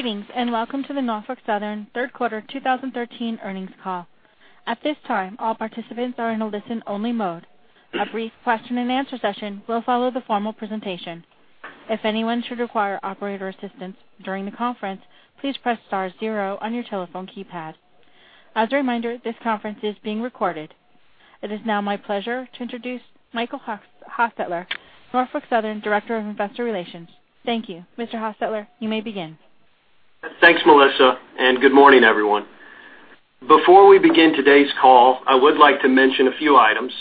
Greetings, and welcome to the Norfolk Southern Third Quarter 2013 earnings call. At this time, all participants are in a listen-only mode. A brief question-and-answer session will follow the formal presentation. If anyone should require operator assistance during the conference, please press star zero on your telephone keypad. As a reminder, this conference is being recorded. It is now my pleasure to introduce Michael Hostutler, Norfolk Southern, Director of Investor Relations. Thank you. Mr. Hostutler, you may begin. Thanks, Melissa, and good morning, everyone. Before we begin today's call, I would like to mention a few items.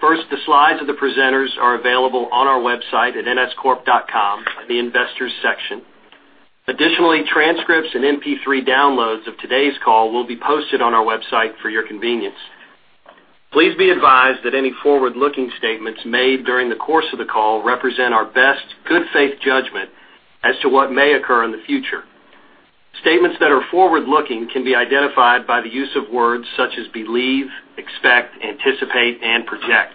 First, the slides of the presenters are available on our website at nscorp.com, in the Investors section. Additionally, transcripts and MP3 downloads of today's call will be posted on our website for your convenience. Please be advised that any forward-looking statements made during the course of the call represent our best good faith judgment as to what may occur in the future. Statements that are forward-looking can be identified by the use of words such as believe, expect, anticipate, and project.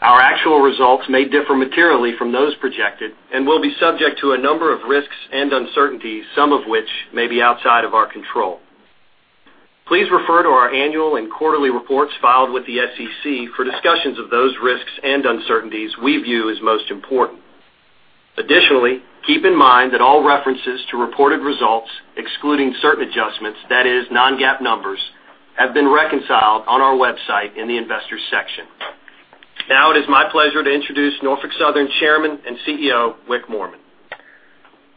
Our actual results may differ materially from those projected and will be subject to a number of risks and uncertainties, some of which may be outside of our control. Please refer to our annual and quarterly reports filed with the SEC for discussions of those risks and uncertainties we view as most important. Additionally, keep in mind that all references to reported results, excluding certain adjustments, that is non-GAAP numbers, have been reconciled on our website in the Investors section. Now, it is my pleasure to introduce Norfolk Southern Chairman and CEO, Wick Moorman.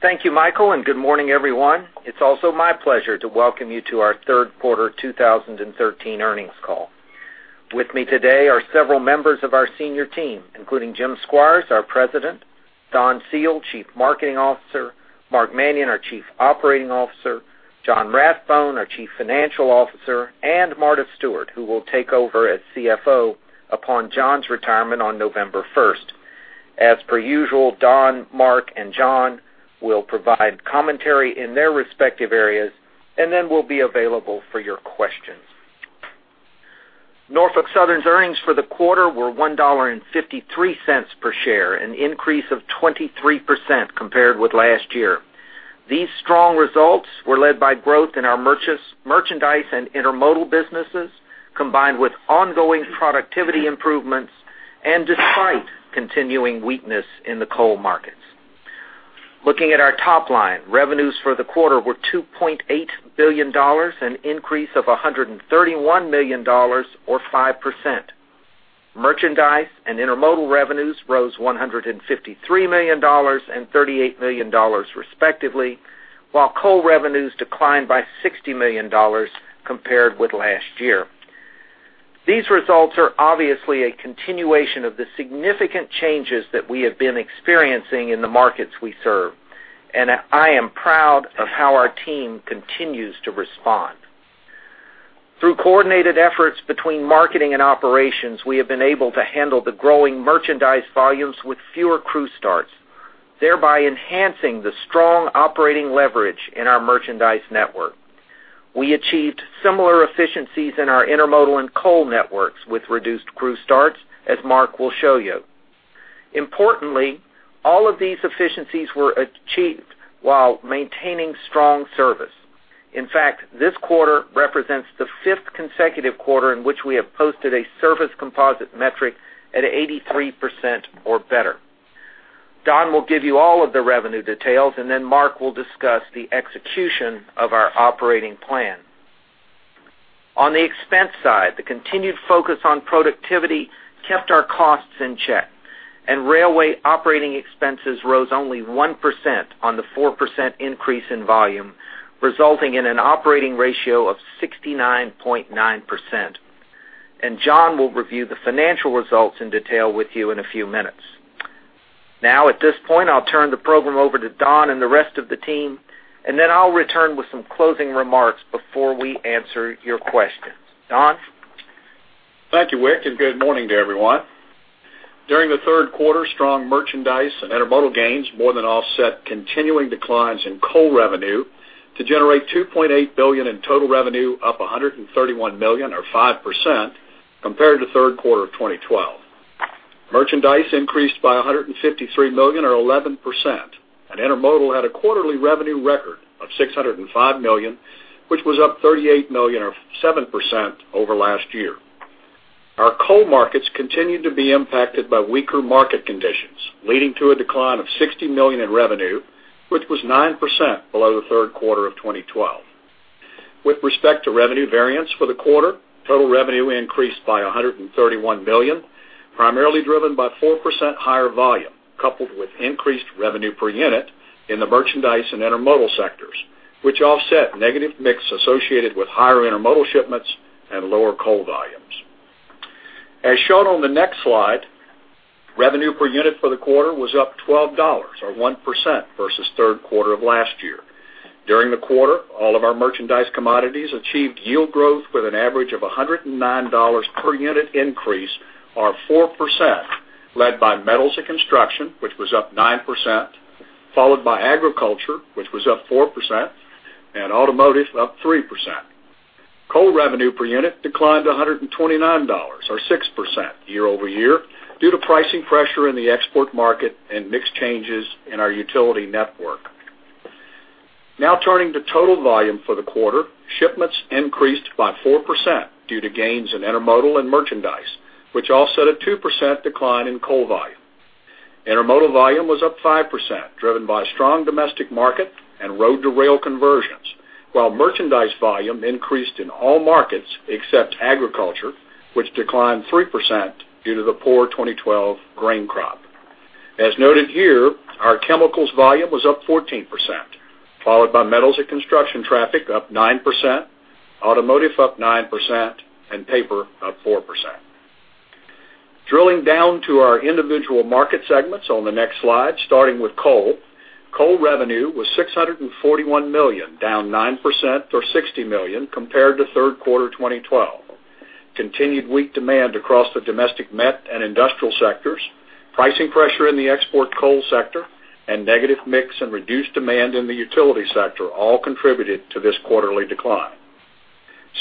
Thank you, Michael, and good morning, everyone. It's also my pleasure to welcome you to our third quarter 2013 earnings call. With me today are several members of our senior team, including Jim Squires, our President, Don Seale, Chief Marketing Officer, Mark Manion, our Chief Operating Officer, John Rathbone, our Chief Financial Officer, and Marta Stewart, who will take over as CFO upon John's retirement on November first. As per usual, Don, Mark, and John will provide commentary in their respective areas and then will be available for your questions. Norfolk Southern's earnings for the quarter were $1.53 per share, an increase of 23% compared with last year. These strong results were led by growth in our merchandise and intermodal businesses, combined with ongoing productivity improvements and despite continuing weakness in the coal markets. Looking at our top line, revenues for the quarter were $2.8 billion, an increase of $131 million or 5%. Merchandise and intermodal revenues rose $153 million and $38 million, respectively, while coal revenues declined by $60 million compared with last year. These results are obviously a continuation of the significant changes that we have been experiencing in the markets we serve, and I am proud of how our team continues to respond. Through coordinated efforts between marketing and operations, we have been able to handle the growing merchandise volumes with fewer crew starts, thereby enhancing the strong operating leverage in our merchandise network. We achieved similar efficiencies in our intermodal and coal networks with reduced crew starts, as Mark will show you. Importantly, all of these efficiencies were achieved while maintaining strong service. In fact, this quarter represents the fifth consecutive quarter in which we have posted a service composite metric at 83% or better. Don will give you all of the revenue details, and then Mark will discuss the execution of our operating plan. On the expense side, the continued focus on productivity kept our costs in check, and railway operating expenses rose only 1% on the 4% increase in volume, resulting in an operating ratio of 69.9%. And John will review the financial results in detail with you in a few minutes. Now, at this point, I'll turn the program over to Don and the rest of the team, and then I'll return with some closing remarks before we answer your questions. Don? Thank you, Wick, and good morning to everyone. During the third quarter, strong merchandise and intermodal gains more than offset continuing declines in coal revenue to generate $2.8 billion in total revenue, up $131 million or 5% compared to third quarter of 2012. Merchandise increased by $153 million or 11%, and intermodal had a quarterly revenue record of $605 million, which was up $38 million or 7% over last year. Our coal markets continued to be impacted by weaker market conditions, leading to a decline of $60 million in revenue, which was 9% below the third quarter of 2012. With respect to revenue variance for the quarter, total revenue increased by $131 million, primarily driven by 4% higher volume, coupled with increased revenue per unit in the merchandise and intermodal sectors, which offset negative mix associated with higher intermodal shipments and lower coal volumes. As shown on the next slide, revenue per unit for the quarter was up $12 or 1% versus third quarter of last year. During the quarter, all of our merchandise commodities achieved yield growth with an average of $109 per unit increase, or 4%, led by metals and construction, which was up 9%, followed by agriculture, which was up 4%, and automotive, up 3%. Coal revenue per unit declined to $129, or 6% year-over-year, due to pricing pressure in the export market and mix changes in our utility network. Now turning to total volume for the quarter, shipments increased by 4% due to gains in intermodal and merchandise, which offset a 2% decline in coal volume. Intermodal volume was up 5%, driven by strong domestic market and road-to-rail conversions, while merchandise volume increased in all markets except agriculture, which declined 3% due to the poor 2012 grain crop. As noted here, our chemicals volume was up 14%, followed by metals and construction traffic up 9%, automotive up 9%, and paper up 4%. Drilling down to our individual market segments on the next slide, starting with coal. Coal revenue was $641 million, down 9% or $60 million compared to third quarter 2012. Continued weak demand across the domestic met and industrial sectors, pricing pressure in the export coal sector, and negative mix and reduced demand in the utility sector all contributed to this quarterly decline.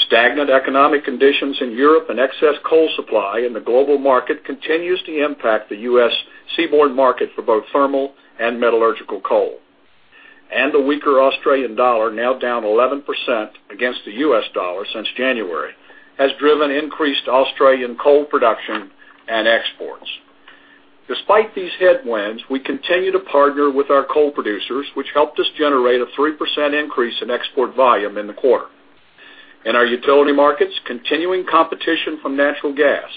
Stagnant economic conditions in Europe and excess coal supply in the global market continues to impact the U.S. seaboard market for both thermal and metallurgical coal. The weaker Australian dollar, now down 11% against the U.S. dollar since January, has driven increased Australian coal production and exports. Despite these headwinds, we continue to partner with our coal producers, which helped us generate a 3% increase in export volume in the quarter. In our utility markets, continuing competition from natural gas,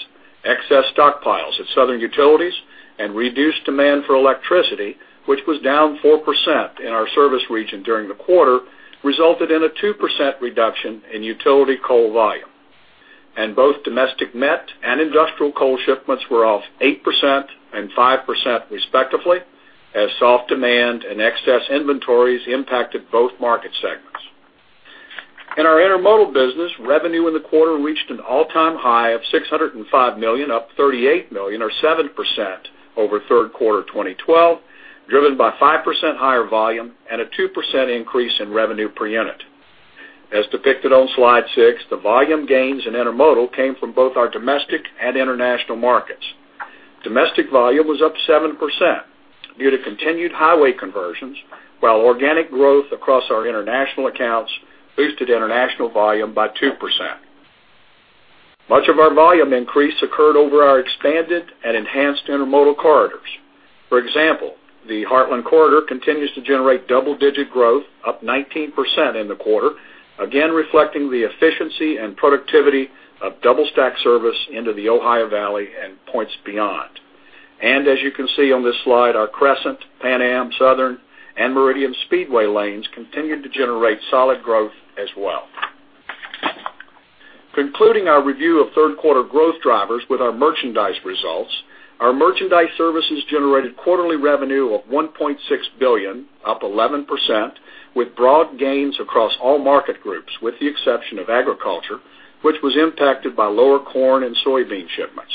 excess stockpiles at southern utilities, and reduced demand for electricity, which was down 4% in our service region during the quarter, resulted in a 2% reduction in utility coal volume. Both domestic met and industrial coal shipments were off 8% and 5%, respectively, as soft demand and excess inventories impacted both market segments. In our intermodal business, revenue in the quarter reached an all-time high of $605 million, up $38 million or 7% over third quarter 2012, driven by 5% higher volume and a 2% increase in revenue per unit. As depicted on Slide 6, the volume gains in intermodal came from both our domestic and international markets. Domestic volume was up 7% due to continued highway conversions, while organic growth across our international accounts boosted international volume by 2%. Much of our volume increase occurred over our expanded and enhanced intermodal corridors. For example, the Heartland Corridor continues to generate double-digit growth, up 19% in the quarter, again, reflecting the efficiency and productivity of double stack service into the Ohio Valley and points beyond. As you can see on this slide, our Crescent, Pan Am Southern, and Meridian Speedway lanes continued to generate solid growth as well. Concluding our review of third quarter growth drivers with our merchandise results, our merchandise services generated quarterly revenue of $1.6 billion, up 11%, with broad gains across all market groups, with the exception of agriculture, which was impacted by lower corn and soybean shipments.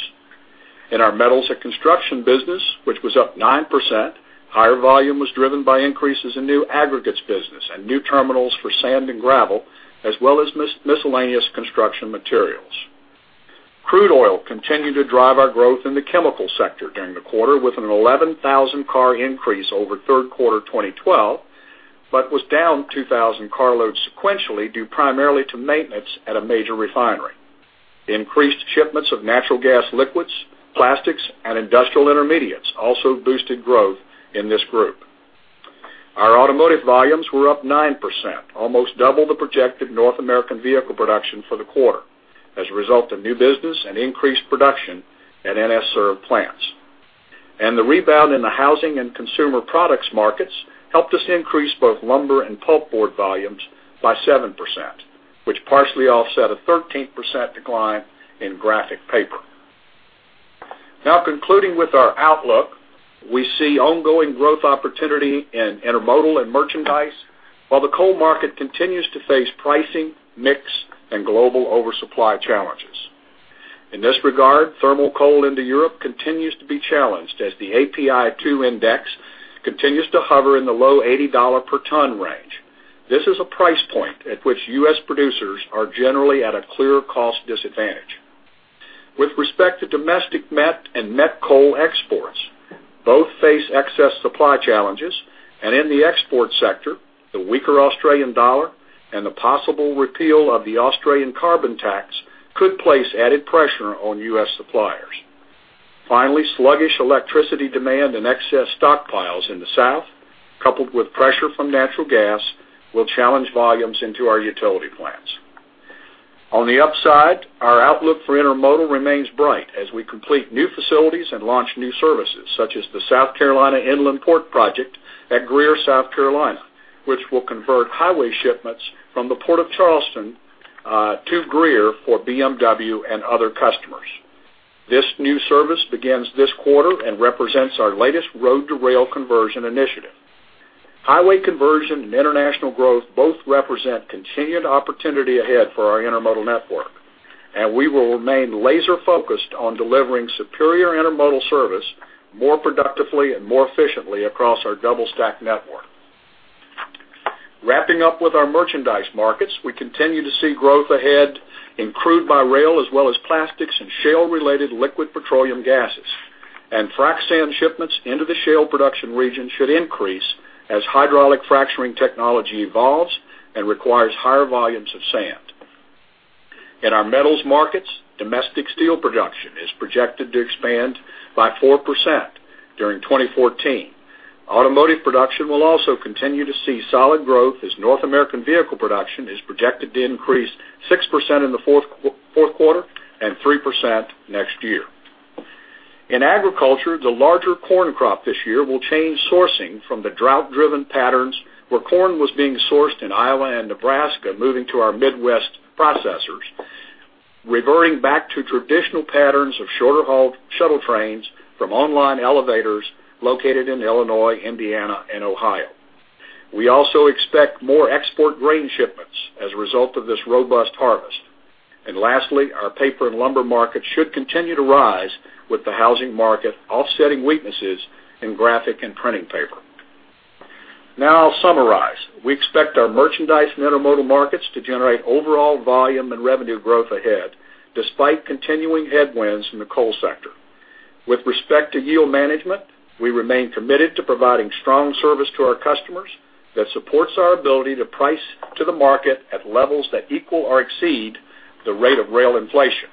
In our metals and construction business, which was up 9%, higher volume was driven by increases in new aggregates business and new terminals for sand and gravel, as well as miscellaneous construction materials. Crude oil continued to drive our growth in the chemical sector during the quarter, with an 11,000-car increase over third quarter 2012, but was down 2,000 carloads sequentially, due primarily to maintenance at a major refinery. Increased shipments of natural gas liquids, plastics, and industrial intermediates also boosted growth in this group. Our automotive volumes were up 9%, almost double the projected North American vehicle production for the quarter, as a result of new business and increased production at NS served plants. The rebound in the housing and consumer products markets helped us increase both lumber and pulpboard volumes by 7%, which partially offset a 13% decline in graphic paper. Now, concluding with our outlook, we see ongoing growth opportunity in intermodal and merchandise, while the coal market continues to face pricing, mix, and global oversupply challenges. In this regard, thermal coal into Europe continues to be challenged as the API2 index continues to hover in the low $80 per ton range. This is a price point at which U.S. producers are generally at a clear cost disadvantage. With respect to domestic met and met coal exports, both face excess supply challenges, and in the export sector, the weaker Australian dollar and the possible repeal of the Australian carbon tax could place added pressure on U.S. suppliers. Finally, sluggish electricity demand and excess stockpiles in the South, coupled with pressure from natural gas, will challenge volumes into our utility plants. On the upside, our outlook for intermodal remains bright as we complete new facilities and launch new services, such as the South Carolina Inland Port project at Greer, South Carolina, which will convert highway shipments from the Port of Charleston to Greer for BMW and other customers. This new service begins this quarter and represents our latest road-to-rail conversion initiative. Highway conversion and international growth both represent continued opportunity ahead for our intermodal network. and we will remain laser-focused on delivering superior intermodal service more productively and more efficiently across our double stack network. Wrapping up with our merchandise markets, we continue to see growth ahead in crude by rail, as well as plastics and shale-related liquid petroleum gases. And frac sand shipments into the shale production region should increase as hydraulic fracturing technology evolves and requires higher volumes of sand. In our metals markets, domestic steel production is projected to expand by 4% during 2014. Automotive production will also continue to see solid growth, as North American vehicle production is projected to increase 6% in the fourth quarter and 3% next year. In agriculture, the larger corn crop this year will change sourcing from the drought-driven patterns, where corn was being sourced in Iowa and Nebraska, moving to our Midwest processors, reverting back to traditional patterns of shorter-hauled shuttle trains from online elevators located in Illinois, Indiana, and Ohio. We also expect more export grain shipments as a result of this robust harvest. Lastly, our paper and lumber market should continue to rise with the housing market, offsetting weaknesses in graphic and printing paper. Now I'll summarize. We expect our merchandise and intermodal markets to generate overall volume and revenue growth ahead, despite continuing headwinds in the coal sector. With respect to yield management, we remain committed to providing strong service to our customers that supports our ability to price to the market at levels that equal or exceed the rate of rail inflation.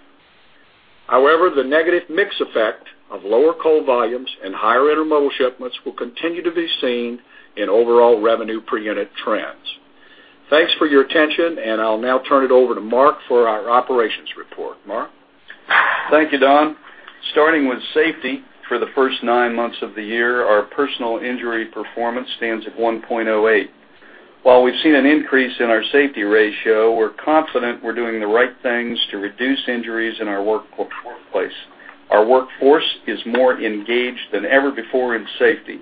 However, the negative mix effect of lower coal volumes and higher intermodal shipments will continue to be seen in overall revenue per unit trends. Thanks for your attention, and I'll now turn it over to Mark for our operations report. Mark? Thank you, Don. Starting with safety, for the first nine months of the year, our personal injury performance stands at 1.08. While we've seen an increase in our safety ratio, we're confident we're doing the right things to reduce injuries in our workplace. Our workforce is more engaged than ever before in safety.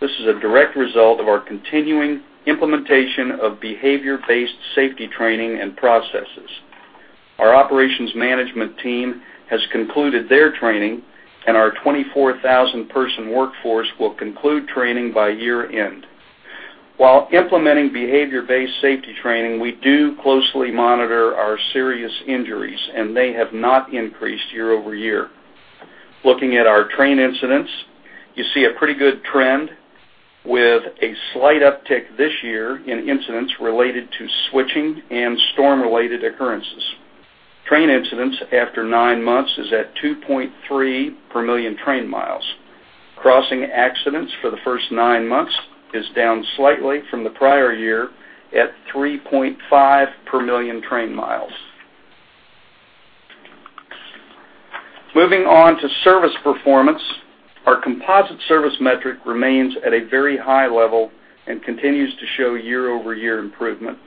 This is a direct result of our continuing implementation of behavior-based safety training and processes. Our operations management team has concluded their training, and our 24,000-person workforce will conclude training by year-end. While implementing behavior-based safety training, we do closely monitor our serious injuries, and they have not increased year-over-year. Looking at our train incidents, you see a pretty good trend, with a slight uptick this year in incidents related to switching and storm-related occurrences. Train incidents after nine months is at 2.3 per million train miles. Crossing accidents for the first nine months is down slightly from the prior year, at 3.5 per million train miles. Moving on to service performance. Our composite service metric remains at a very high level and continues to show year-over-year improvement.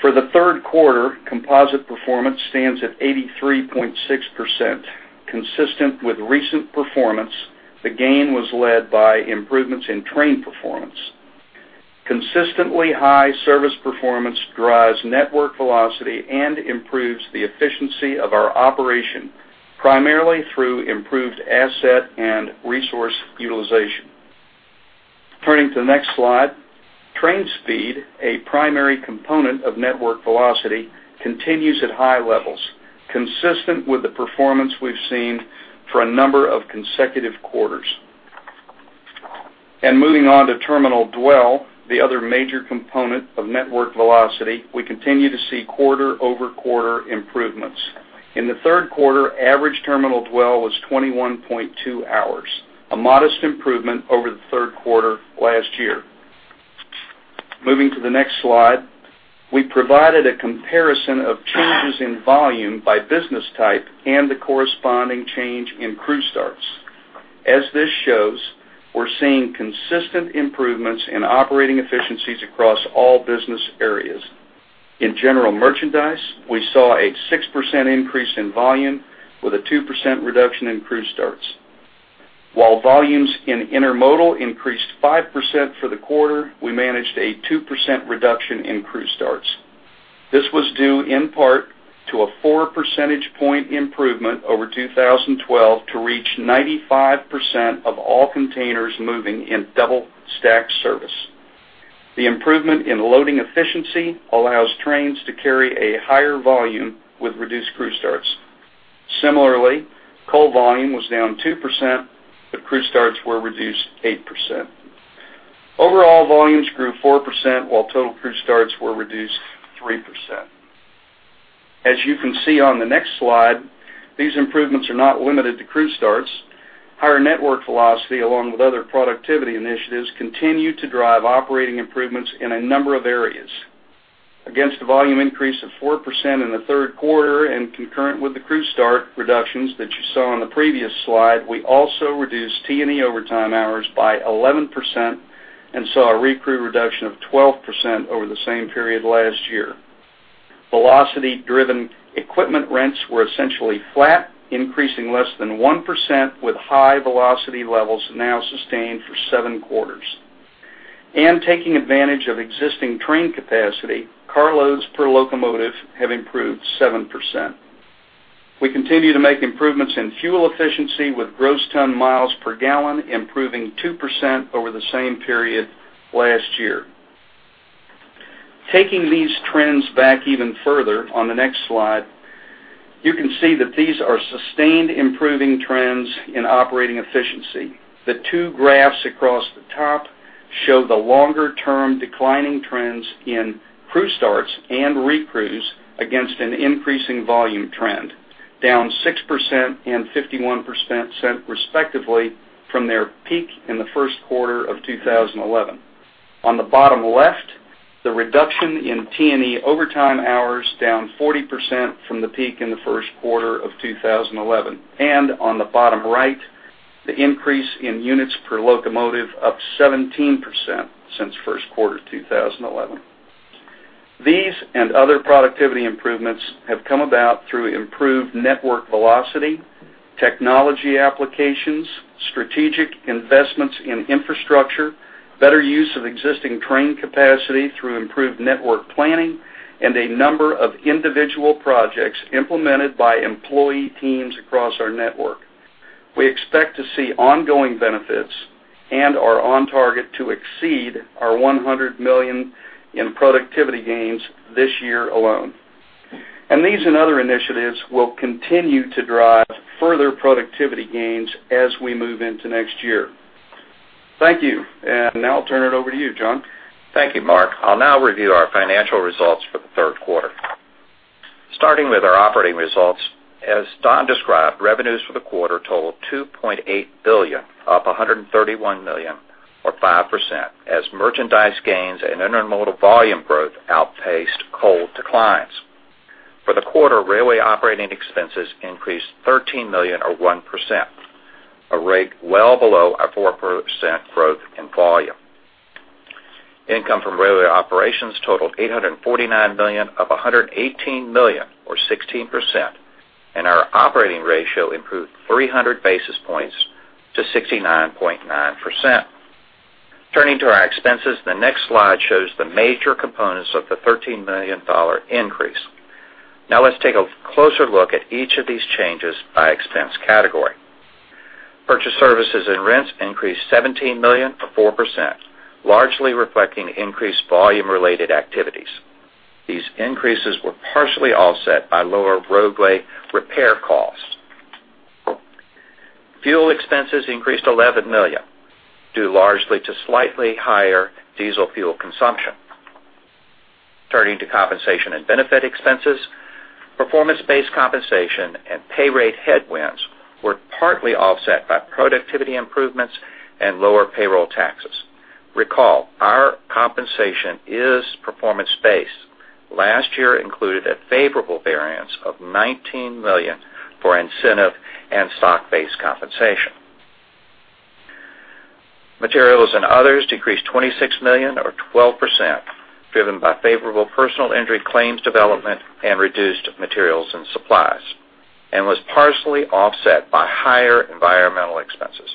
For the third quarter, composite performance stands at 83.6%. Consistent with recent performance, the gain was led by improvements in train performance. Consistently high service performance drives network velocity and improves the efficiency of our operation, primarily through improved asset and resource utilization. Turning to the next slide, train speed, a primary component of network velocity, continues at high levels, consistent with the performance we've seen for a number of consecutive quarters. Moving on to terminal dwell, the other major component of network velocity, we continue to see quarter-over-quarter improvements. In the third quarter, average terminal dwell was 21.2 hours, a modest improvement over the third quarter last year. Moving to the next slide, we provided a comparison of changes in volume by business type and the corresponding change in crew starts. As this shows, we're seeing consistent improvements in operating efficiencies across all business areas. In general merchandise, we saw a 6% increase in volume with a 2% reduction in crew starts. While volumes in intermodal increased 5% for the quarter, we managed a 2% reduction in crew starts. This was due in part to a 4 percentage point improvement over 2012 to reach 95% of all containers moving in double stack service. The improvement in loading efficiency allows trains to carry a higher volume with reduced crew starts. Similarly, coal volume was down 2%, but crew starts were reduced 8%. Overall, volumes grew 4%, while total crew starts were reduced 3%. As you can see on the next slide, these improvements are not limited to crew starts. Higher network velocity, along with other productivity initiatives, continue to drive operating improvements in a number of areas. Against a volume increase of 4% in the third quarter and concurrent with the crew start reductions that you saw in the previous slide, we also reduced T&E overtime hours by 11% and saw a recrew reduction of 12% over the same period last year. Velocity-driven equipment rents were essentially flat, increasing less than 1%, with high velocity levels now sustained for 7 quarters, and taking advantage of existing train capacity, carloads per locomotive have improved 7%. We continue to make improvements in fuel efficiency, with gross ton miles per gallon improving 2% over the same period last year. Taking these trends back even further, on the next slide, you can see that these are sustained, improving trends in operating efficiency. The two graphs across the top show the longer-term declining trends in crew starts and recrews against an increasing volume trend, down 6% and 51%, respectively, from their peak in the first quarter of 2011. On the bottom left, the reduction in T&E overtime hours down 40% from the peak in the first quarter of 2011. And on the bottom right, the increase in units per locomotive, up 17% since first quarter 2011. These and other productivity improvements have come about through improved network velocity, technology applications, strategic investments in infrastructure, better use of existing train capacity through improved network planning, and a number of individual projects implemented by employee teams across our network. We expect to see ongoing benefits and are on target to exceed our $100 million in productivity gains this year alone. And these and other initiatives will continue to drive further productivity gains as we move into next year. Thank you. And now I'll turn it over to you, John. Thank you, Mark. I'll now review our financial results for the third quarter. Starting with our operating results, as Don described, revenues for the quarter totaled $2.8 billion, up $131 million, or 5%, as merchandise gains and intermodal volume growth outpaced coal declines. For the quarter, railway operating expenses increased $13 million, or 1%, a rate well below our 4% growth in volume. Income from railway operations totaled $849 million, up $118 million, or 16%, and our operating ratio improved 300 basis points to 69.9%. Turning to our expenses, the next slide shows the major components of the $13 million increase. Now, let's take a closer look at each of these changes by expense category. Purchased services and rents increased $17 million, or 4%, largely reflecting increased volume-related activities. These increases were partially offset by lower roadway repair costs. Fuel expenses increased $11 million, due largely to slightly higher diesel fuel consumption. Turning to compensation and benefit expenses, performance-based compensation and pay rate headwinds were partly offset by productivity improvements and lower payroll taxes. Recall, our compensation is performance-based. Last year included a favorable variance of $19 million for incentive and stock-based compensation. Materials and others decreased $26 million, or 12%, driven by favorable personal injury claims development and reduced materials and supplies, and was partially offset by higher environmental expenses.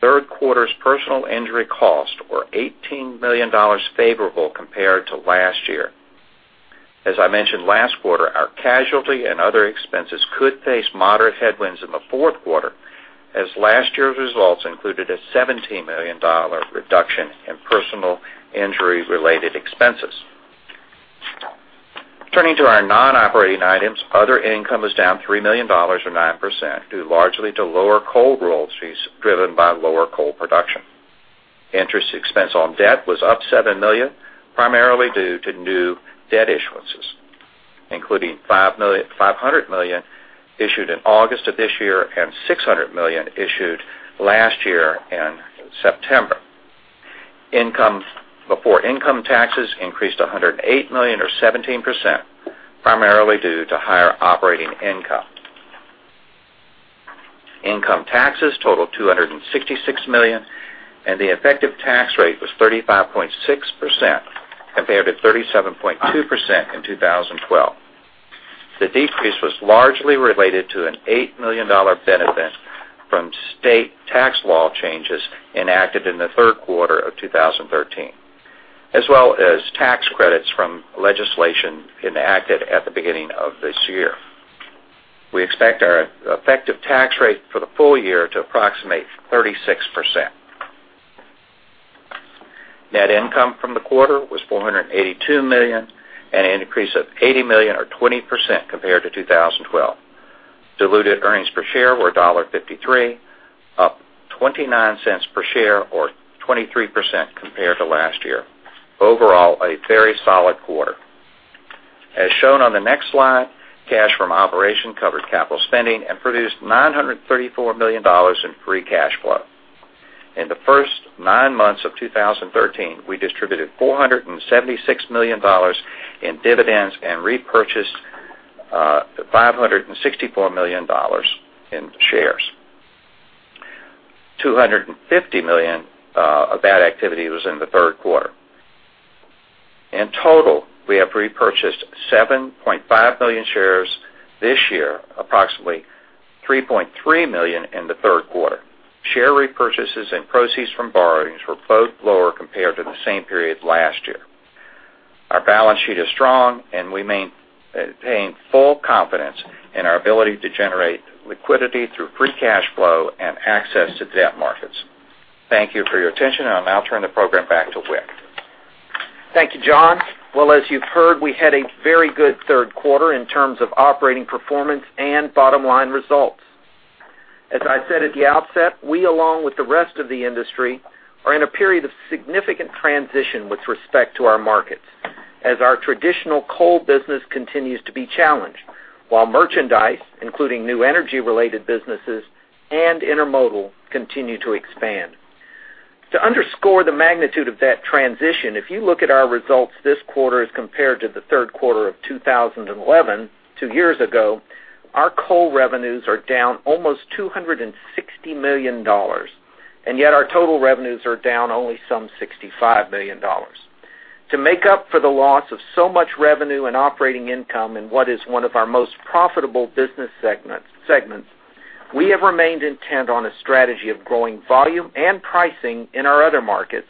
Third quarter's personal injury costs were $18 million favorable compared to last year. As I mentioned last quarter, our casualty and other expenses could face moderate headwinds in the fourth quarter, as last year's results included a $17 million reduction in personal injury-related expenses. Turning to our non-operating items, other income was down $3 million, or 9%, due largely to lower coal royalties, driven by lower coal production. Interest expense on debt was up $7 million, primarily due to new debt issuances, including $500 million issued in August of this year and $600 million issued last year in September. Income before income taxes increased $108 million, or 17%, primarily due to higher operating income. Income taxes totaled $266 million, and the effective tax rate was 35.6% compared to 37.2% in 2012. The decrease was largely related to an $8 million benefit from state tax law changes enacted in the third quarter of 2013, as well as tax credits from legislation enacted at the beginning of this year. We expect our effective tax rate for the full year to approximate 36%. Net income from the quarter was $482 million, an increase of $80 million, or 20%, compared to 2012. Diluted earnings per share were $1.53, up $0.29 per share or 23% compared to last year. Overall, a very solid quarter. As shown on the next slide, cash from operation covered capital spending and produced $934 million in free cash flow. In the first 9 months of 2013, we distributed $476 million in dividends and repurchased five hundred and sixty-four million dollars in shares. $250 million of that activity was in the third quarter. In total, we have repurchased 7.5 million shares this year, approximately 3.3 million in the third quarter. Share repurchases and proceeds from borrowings were both lower compared to the same period last year. Our balance sheet is strong, and we maintain full confidence in our ability to generate liquidity through free cash flow and access to debt markets. Thank you for your attention, and I'll now turn the program back to Wick. Thank you, John. Well, as you've heard, we had a very good third quarter in terms of operating performance and bottom-line results. As I said at the outset, we, along with the rest of the industry, are in a period of significant transition with respect to our markets, as our traditional coal business continues to be challenged, while merchandise, including new energy-related businesses and intermodal, continue to expand. To underscore the magnitude of that transition, if you look at our results this quarter as compared to the third quarter of 2011, two years ago, our coal revenues are down almost $260 million, and yet our total revenues are down only some $65 million. To make up for the loss of so much revenue and operating income in what is one of our most profitable business segment, segments, we have remained intent on a strategy of growing volume and pricing in our other markets,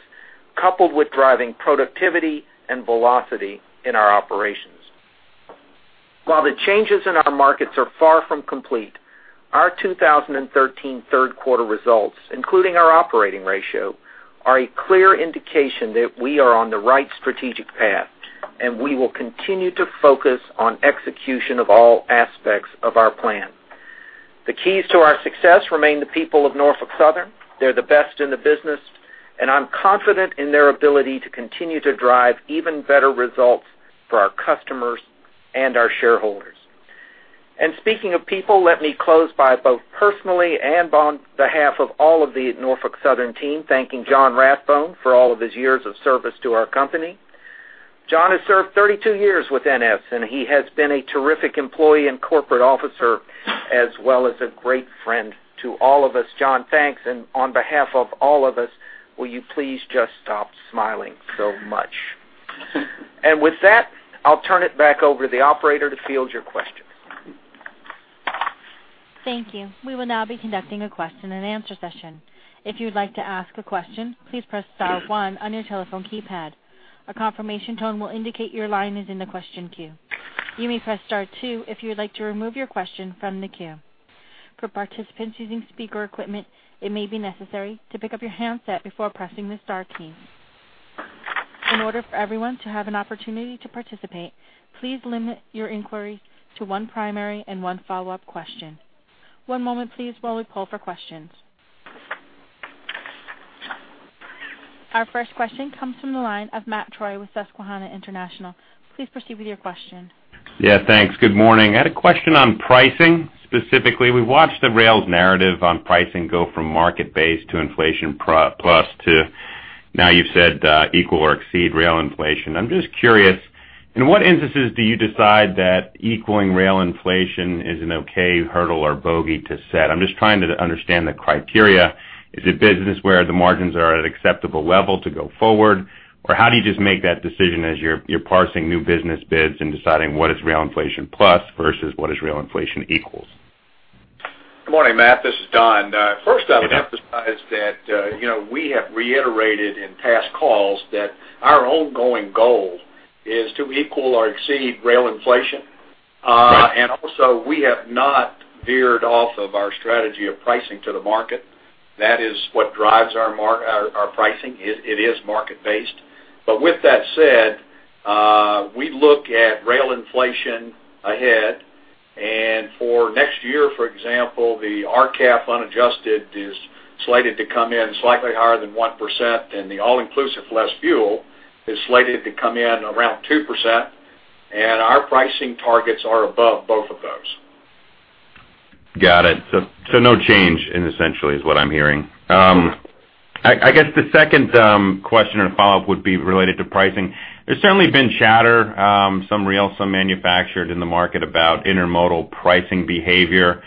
coupled with driving productivity and velocity in our operations. While the changes in our markets are far from complete, our 2013 third quarter results, including our operating ratio, are a clear indication that we are on the right strategic path, and we will continue to focus on execution of all aspects of our plan. The keys to our success remain the people of Norfolk Southern. They're the best in the business, and I'm confident in their ability to continue to drive even better results for our customers and our shareholders. Speaking of people, let me close by both personally and on behalf of all of the Norfolk Southern team, thanking John Rathbone for all of his years of service to our company. John has served 32 years with NS, and he has been a terrific employee and corporate officer, as well as a great friend to all of us. John, thanks, and on behalf of all of us, will you please just stop smiling so much? With that, I'll turn it back over to the operator to field your questions. Thank you. We will now be conducting a question-and-answer session. If you'd like to ask a question, please press star one on your telephone keypad. A confirmation tone will indicate your line is in the question queue. You may press star two if you would like to remove your question from the queue. For participants using speaker equipment, it may be necessary to pick up your handset before pressing the star key. In order for everyone to have an opportunity to participate, please limit your inquiry to one primary and one follow-up question. One moment, please, while we pull for questions. Our first question comes from the line of Matt Troy with Susquehanna International. Please proceed with your question. Yeah, thanks. Good morning. I had a question on pricing. Specifically, we've watched the rails narrative on pricing go from market-based to inflation plus to now you've said equal or exceed rail inflation. I'm just curious, in what instances do you decide that equaling rail inflation is an okay hurdle or bogey to set? I'm just trying to understand the criteria. Is it business where the margins are at an acceptable level to go forward? Or how do you just make that decision as you're parsing new business bids and deciding what is rail inflation plus versus what is rail inflation equals? Good morning, Matt, this is Don. First, I would emphasize that, you know, we have reiterated in past calls that our ongoing goal is to equal or exceed rail inflation. And also, we have not veered off of our strategy of pricing to the market. That is what drives our mar-- our, our pricing. It, it is market-based. But with that said, we look at rail inflation ahead, and for next year, for example, the RCAF unadjusted is slated to come in slightly higher than 1%, and the all-inclusive less fuel is slated to come in around 2%, and our pricing targets are above both of those. Got it. So no change in essentially is what I'm hearing. I guess the second question or follow-up would be related to pricing. There's certainly been chatter, some real, some manufactured in the market about intermodal pricing behavior.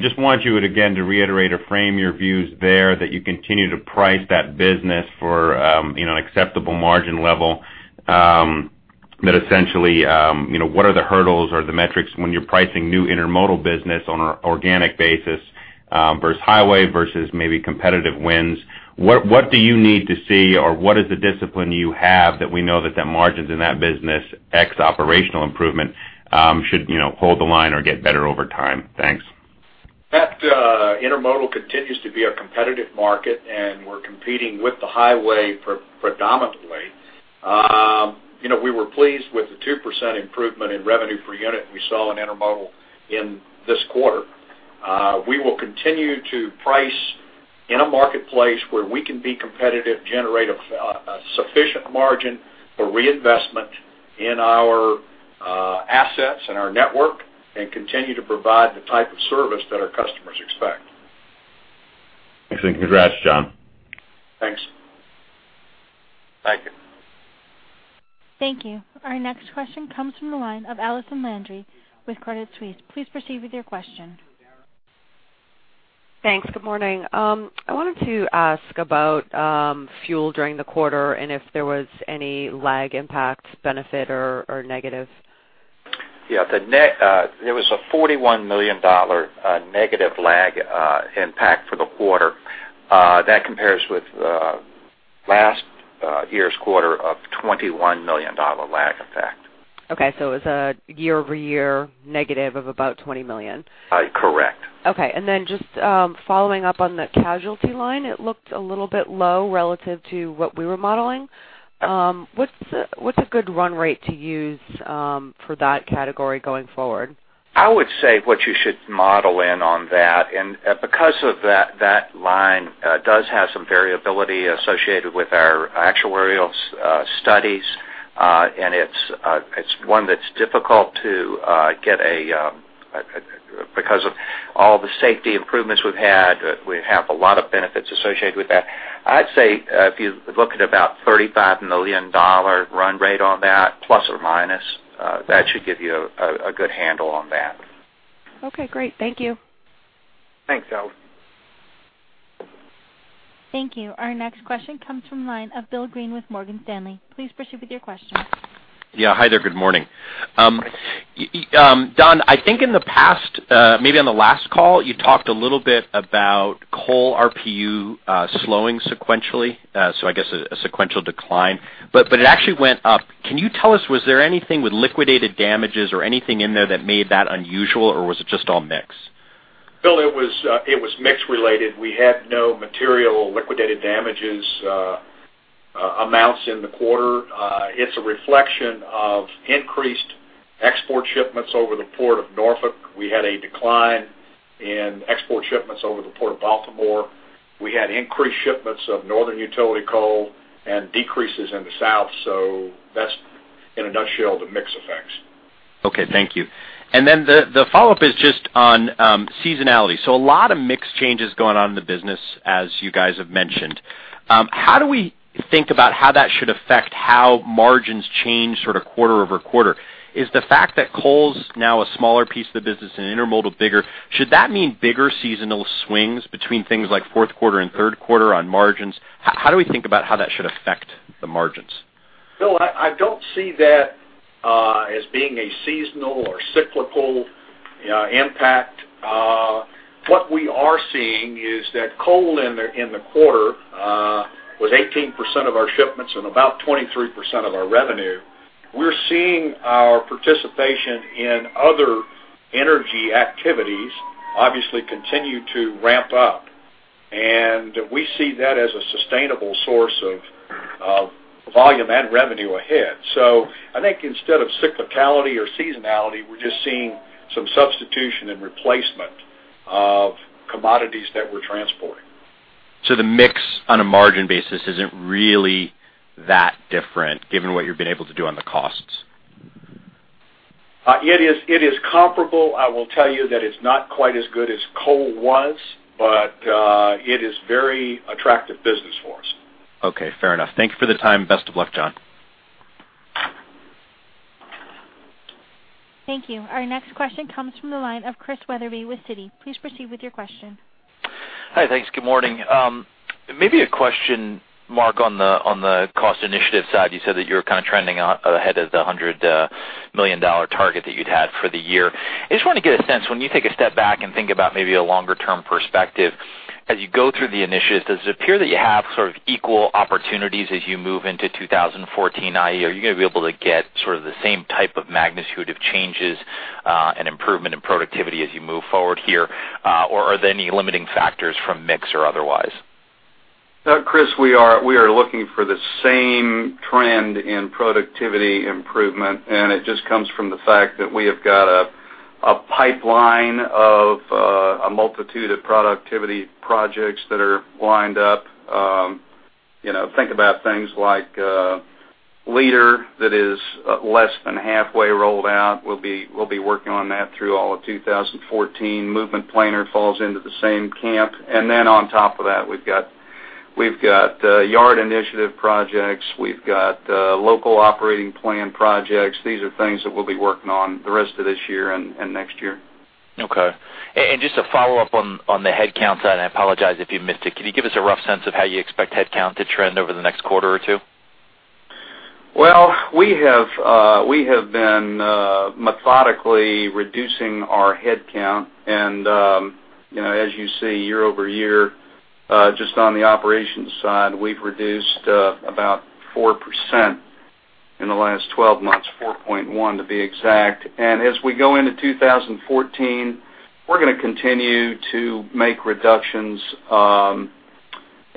Just wanted you again, to reiterate or frame your views there, that you continue to price that business for, you know, an acceptable margin level. That essentially, you know, what are the hurdles or the metrics when you're pricing new intermodal business on an organic basis, versus highway versus maybe competitive wins? What do you need to see, or what is the discipline you have that we know that the margins in that business, ex operational improvement, should, you know, hold the line or get better over time? Thanks. That intermodal continues to be a competitive market, and we're competing with the highway predominantly. You know, we were pleased with the 2% improvement in revenue per unit we saw in intermodal in this quarter. We will continue to price in a marketplace where we can be competitive, generate a sufficient margin for reinvestment in our assets and our network, and continue to provide the type of service that our customers expect. Thanks, and congrats, John. Thanks. Thank you. Thank you. Our next question comes from the line of Allison Landry with Credit Suisse. Please proceed with your question. Thanks. Good morning. I wanted to ask about fuel during the quarter, and if there was any lag impact, benefit or negative? Yeah, the net. There was a $41 million negative lag impact for the quarter. That compares with last year's quarter of $21 million lag impact. Okay, so it was a year-over-year negative of about $20 million? Uh, correct. Okay. And then just, following up on the casualty line, it looked a little bit low relative to what we were modeling. What's a good run rate to use, for that category going forward? I would say what you should model in on that, and because of that, that line does have some variability associated with our actuarial studies, and it's one that's difficult to get a, because of all the safety improvements we've had, we have a lot of benefits associated with that. I'd say, if you look at about $35 million run rate on that, ±, that should give you a good handle on that. Okay, great. Thank you. Thanks, Allison. Thank you. Our next question comes from the line of Bill Greene with Morgan Stanley. Please proceed with your question. Yeah. Hi there, good morning. Don, I think in the past, maybe on the last call, you talked a little bit about coal RPU slowing sequentially, so I guess a sequential decline, but it actually went up. Can you tell us, was there anything with liquidated damages or anything in there that made that unusual, or was it just all mix? Bill, it was, it was mix related. We had no material liquidated damages, amounts in the quarter. It's a reflection of increased export shipments over the Port of Norfolk. We had a decline in export shipments over the Port of Baltimore. We had increased shipments of northern utility coal and decreases in the south. So that's, in a nutshell, the mix effects. Okay, thank you. And then the follow-up is just on seasonality. So a lot of mix changes going on in the business, as you guys have mentioned. How do we think about how that should affect how margins change sort of quarter-over-quarter? Is the fact that coal's now a smaller piece of the business and intermodal bigger, should that mean bigger seasonal swings between things like fourth quarter and third quarter on margins? How do we think about how that should affect the margins? Bill, I don't see that as being a seasonal or cyclical impact. What we are seeing is that coal in the quarter was 18% of our shipments and about 23% of our revenue. We're seeing our participation in other energy activities, obviously, continue to ramp up, and we see that as a sustainable source of volume and revenue ahead. So I think instead of cyclicality or seasonality, we're just seeing some substitution and replacement of commodities that we're transporting. The mix on a margin basis isn't really that different, given what you've been able to do on the costs? It is, it is comparable. I will tell you that it's not quite as good as coal was, but, it is very attractive business for us. Okay, fair enough. Thank you for the time. Best of luck, John. Thank you. Our next question comes from the line of Chris Wetherbee with Citi. Please proceed with your question. Hi, thanks. Good morning. Maybe a question, Mark, on the, on the cost initiative side. You said that you're kind of trending out ahead of the $100 million target that you'd had for the year. I just want to get a sense, when you take a step back and think about maybe a longer term perspective, as you go through the initiative, does it appear that you have sort of equal opportunities as you move into 2014, i.e., are you going to be able to get sort of the same type of magnitude of changes, and improvement in productivity as you move forward here? Or are there any limiting factors from mix or otherwise? Chris, we are looking for the same trend in productivity improvement, and it just comes from the fact that we have got a pipeline of a multitude of productivity projects that are lined up. You know, think about things like LEADER that is less than halfway rolled out. We'll be working on that through all of 2014. Movement Planner falls into the same camp. And then on top of that, we've got yard initiative projects, we've got local operating plan projects. These are things that we'll be working on the rest of this year and next year. Okay. And just to follow up on the headcount side, I apologize if you missed it. Can you give us a rough sense of how you expect headcount to trend over the next quarter or two? Well, we have been methodically reducing our headcount. And, you know, as you see, year over year, just on the operations side, we've reduced about 4% in the last twelve months, 4.1, to be exact. And as we go into 2014, we're gonna continue to make reductions.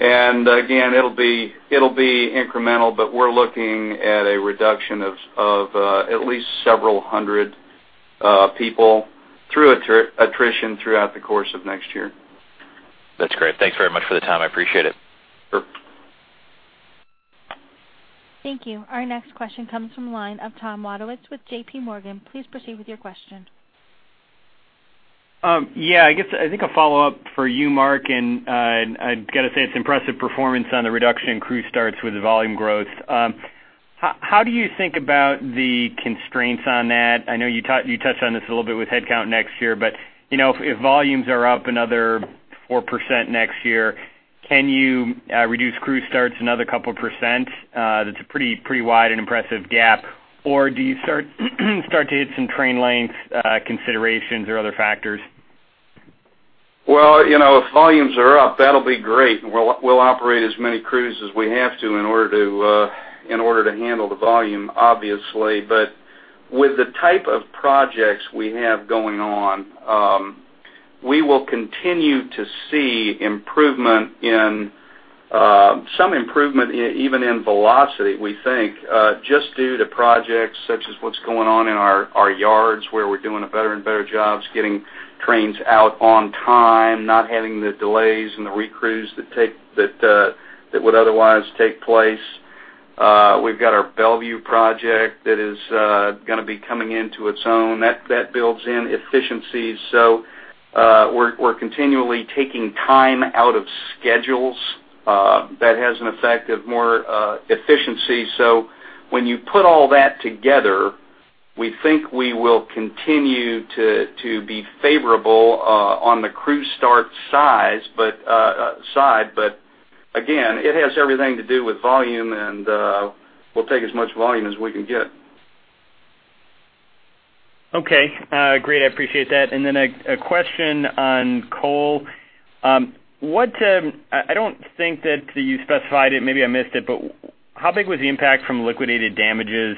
And again, it'll be incremental, but we're looking at a reduction of at least several hundred people through attrition throughout the course of next year. That's great. Thanks very much for the time. I appreciate it. Sure. Thank you. Our next question comes from the line of Tom Wadewitz with J.P. Morgan. Please proceed with your question. Yeah, I guess, I think a follow-up for you, Mark, and I've got to say it's impressive performance on the reduction in crew starts with volume growth. How do you think about the constraints on that? I know you touched on this a little bit with headcount next year, but you know, if volumes are up another 4% next year, can you reduce crew starts another couple of percent? That's a pretty wide and impressive gap. Or do you start to hit some train length considerations or other factors? Well, you know, if volumes are up, that'll be great, and we'll, we'll operate as many crews as we have to in order to handle the volume, obviously. But with the type of projects we have going on, we will continue to see improvement in some improvement even in velocity, we think, just due to projects such as what's going on in our, our yards, where we're doing a better and better jobs getting trains out on time, not having the delays and the recrews that would otherwise take place. We've got our Bellevue project that is gonna be coming into its own. That, that builds in efficiencies. So, we're, we're continually taking time out of schedules that has an effect of more efficiency. So when you put all that together, we think we will continue to be favorable on the crew start size, but side. But again, it has everything to do with volume, and we'll take as much volume as we can get. Okay, great. I appreciate that. And then a question on coal. What I don't think that you specified it, maybe I missed it, but how big was the impact from liquidated damages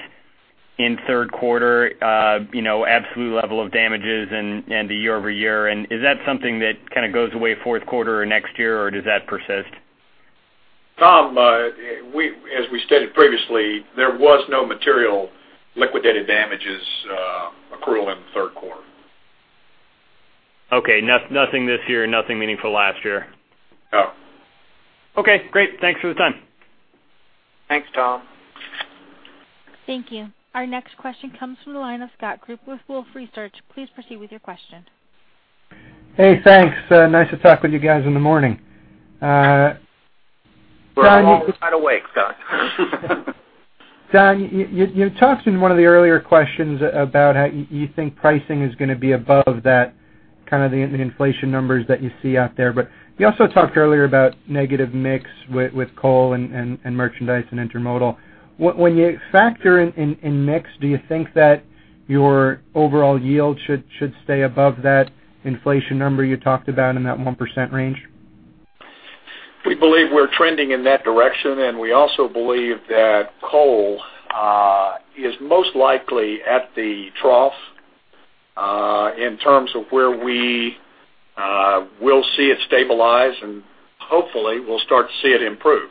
in third quarter? You know, absolute level of damages and the year-over-year. And is that something that kind of goes away fourth quarter or next year, or does that persist? Tom, we, as we stated previously, there was no material liquidated damages accrual in the third quarter. Okay. Nothing this year, nothing meaningful last year? No. Okay, great. Thanks for the time. Thanks, Tom. Thank you. Our next question comes from the line of Scott Group with Wolfe Research. Please proceed with your question. Hey, thanks. Nice to talk with you guys in the morning. Don- We're all kind of awake, Scott. Don, you talked in one of the earlier questions about how you think pricing is gonna be above that, kind of the inflation numbers that you see out there. But you also talked earlier about negative mix with coal and merchandise and intermodal. What, when you factor in mix, do you think that your overall yield should stay above that inflation number you talked about in that 1% range? We believe we're trending in that direction, and we also believe that coal is most likely at the trough in terms of where we will see it stabilize, and hopefully, we'll start to see it improve.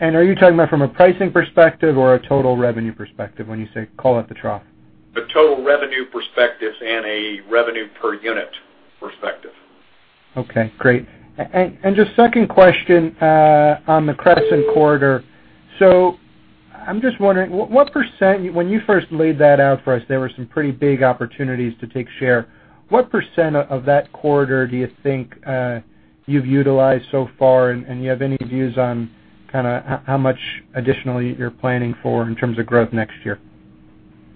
Are you talking about from a pricing perspective or a total revenue perspective when you say call out the trough? The total revenue perspective and a revenue per unit perspective. Okay, great. And just second question on the Crescent Corridor. So I'm just wondering, what percent. When you first laid that out for us, there were some pretty big opportunities to take share. What percent of that corridor do you think you've utilized so far, and you have any views on kind of how much additionally you're planning for in terms of growth next year?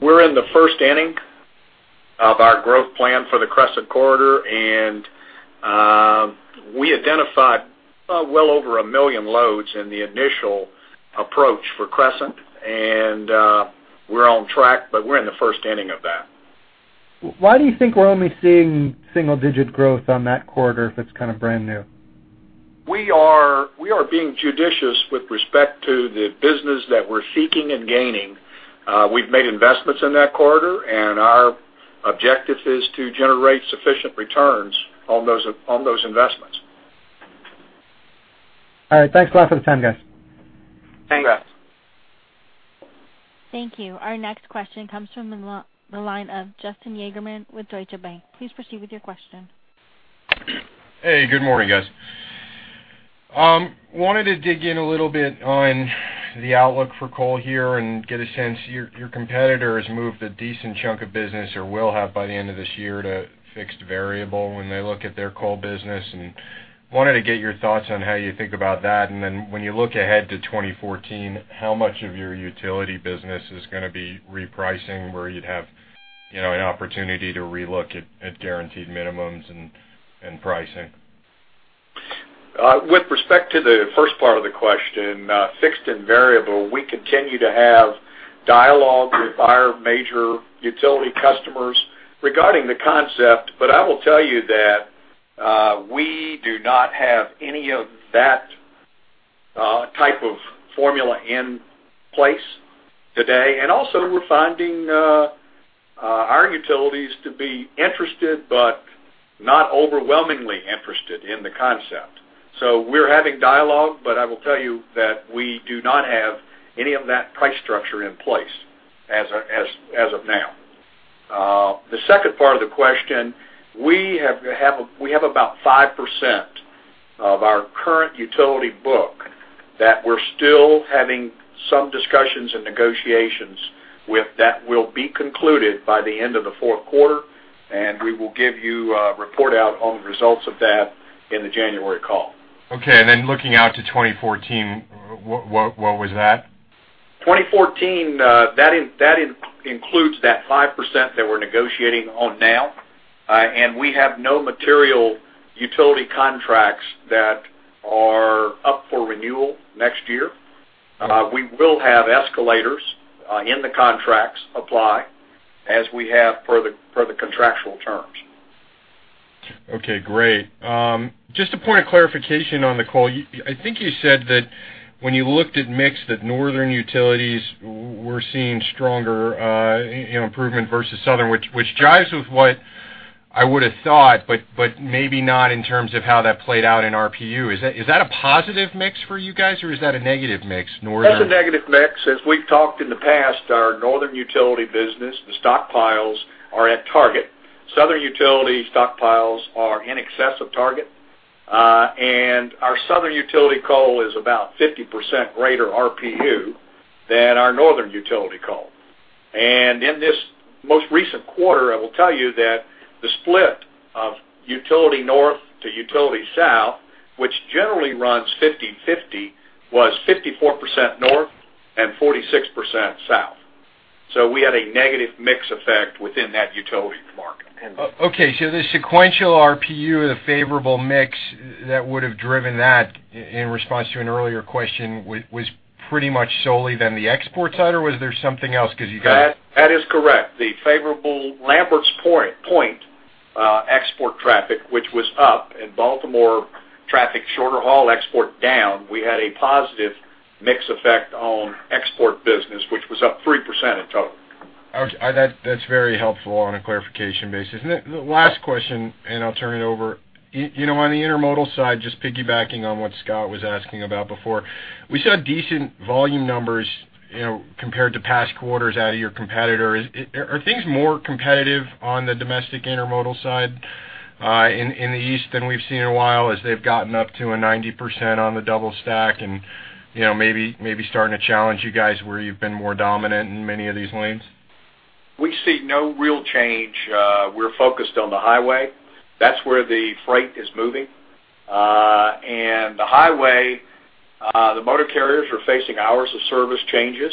We're in the first inning of our growth plan for the Crescent Corridor, and we identified well over a million loads in the initial approach for Crescent, and we're on track, but we're in the first inning of that. Why do you think we're only seeing single-digit growth on that corridor if it's kind of brand new? We are being judicious with respect to the business that we're seeking and gaining. We've made investments in that corridor, and our objective is to generate sufficient returns on those investments. All right. Thanks a lot for the time, guys. Thanks, guys. Thank you. Our next question comes from the line of Justin Yagerman with Deutsche Bank. Please proceed with your question. Hey, good morning, guys. Wanted to dig in a little bit on the outlook for coal here and get a sense. Your competitor has moved a decent chunk of business or will have by the end of this year, to fixed variable when they look at their coal business, and wanted to get your thoughts on how you think about that. And then when you look ahead to 2014, how much of your utility business is gonna be repricing, where you'd have, you know, an opportunity to relook at guaranteed minimums and pricing? With respect to the first part of the question, fixed and variable, we continue to have dialogue with our major utility customers regarding the concept, but I will tell you that we do not have any of that type of formula in place today. And also, we're finding our utilities to be interested, but not overwhelmingly interested in the concept. So we're having dialogue, but I will tell you that we do not have any of that price structure in place as of now. The second part of the question, we have about 5% of our current utility book that we're still having some discussions and negotiations with. That will be concluded by the end of the fourth quarter, and we will give you a report out on the results of that in the January call. Okay, and then looking out to 2014, what, what, what was that? 2014, that includes that 5% that we're negotiating on now, and we have no material utility contracts that are up for renewal next year. We will have escalators in the contracts apply as we have per the contractual terms. Okay, great. Just a point of clarification on the call. I think you said that when you looked at mix, that northern utilities were seeing stronger, you know, improvement versus southern, which jives with what I would have thought, but maybe not in terms of how that played out in RPU. Is that a positive mix for you guys, or is that a negative mix, northern? That's a negative mix. As we've talked in the past, our northern utility business, the stockpiles are at target. Southern utility stockpiles are in excess of target, and our southern utility coal is about 50% greater RPU than our northern utility coal. And in this most recent quarter, I will tell you that the split of utility north to utility south, which generally runs 50/50, was 54% north and 46% south. So we had a negative mix effect within that utility market. Okay, so the sequential RPU, the favorable mix that would have driven that, in response to an earlier question, was pretty much solely then the export side, or was there something else? Because you guys- That is correct. The favorable Lamberts Point export traffic, which was up, and Baltimore traffic, shorter haul export down, we had a positive mix effect on export business, which was up 3% in total. Okay, that's very helpful on a clarification basis. And then the last question, and I'll turn it over. You know, on the intermodal side, just piggybacking on what Scott was asking about before, we saw decent volume numbers, you know, compared to past quarters out of your competitor. Are things more competitive on the domestic intermodal side, in the east than we've seen in a while, as they've gotten up to 90% on the double stack and, you know, maybe starting to challenge you guys where you've been more dominant in many of these lanes? We see no real change. We're focused on the highway. That's where the freight is moving. And the highway, the motor carriers are facing hours of service changes,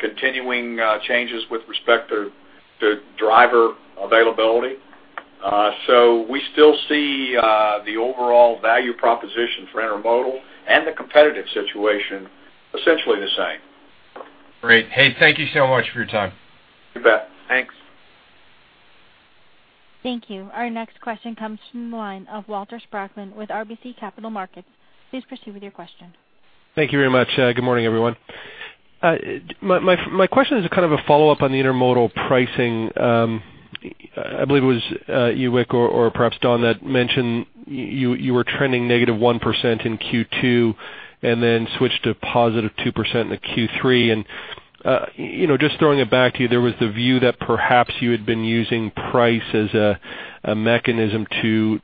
continuing changes with respect to driver availability. So we still see the overall value proposition for intermodal and the competitive situation essentially the same. Great. Hey, thank you so much for your time. You bet. Thanks. Thank you. Our next question comes from the line of Walter Spracklin with RBC Capital Markets. Please proceed with your question. Thank you very much. Good morning, everyone. My question is kind of a follow-up on the intermodal pricing. I believe it was Wick or perhaps Don that mentioned you were trending negative 1% in Q2, and then switched to positive 2% in the Q3. You know, just throwing it back to you, there was the view that perhaps you had been using price as a mechanism to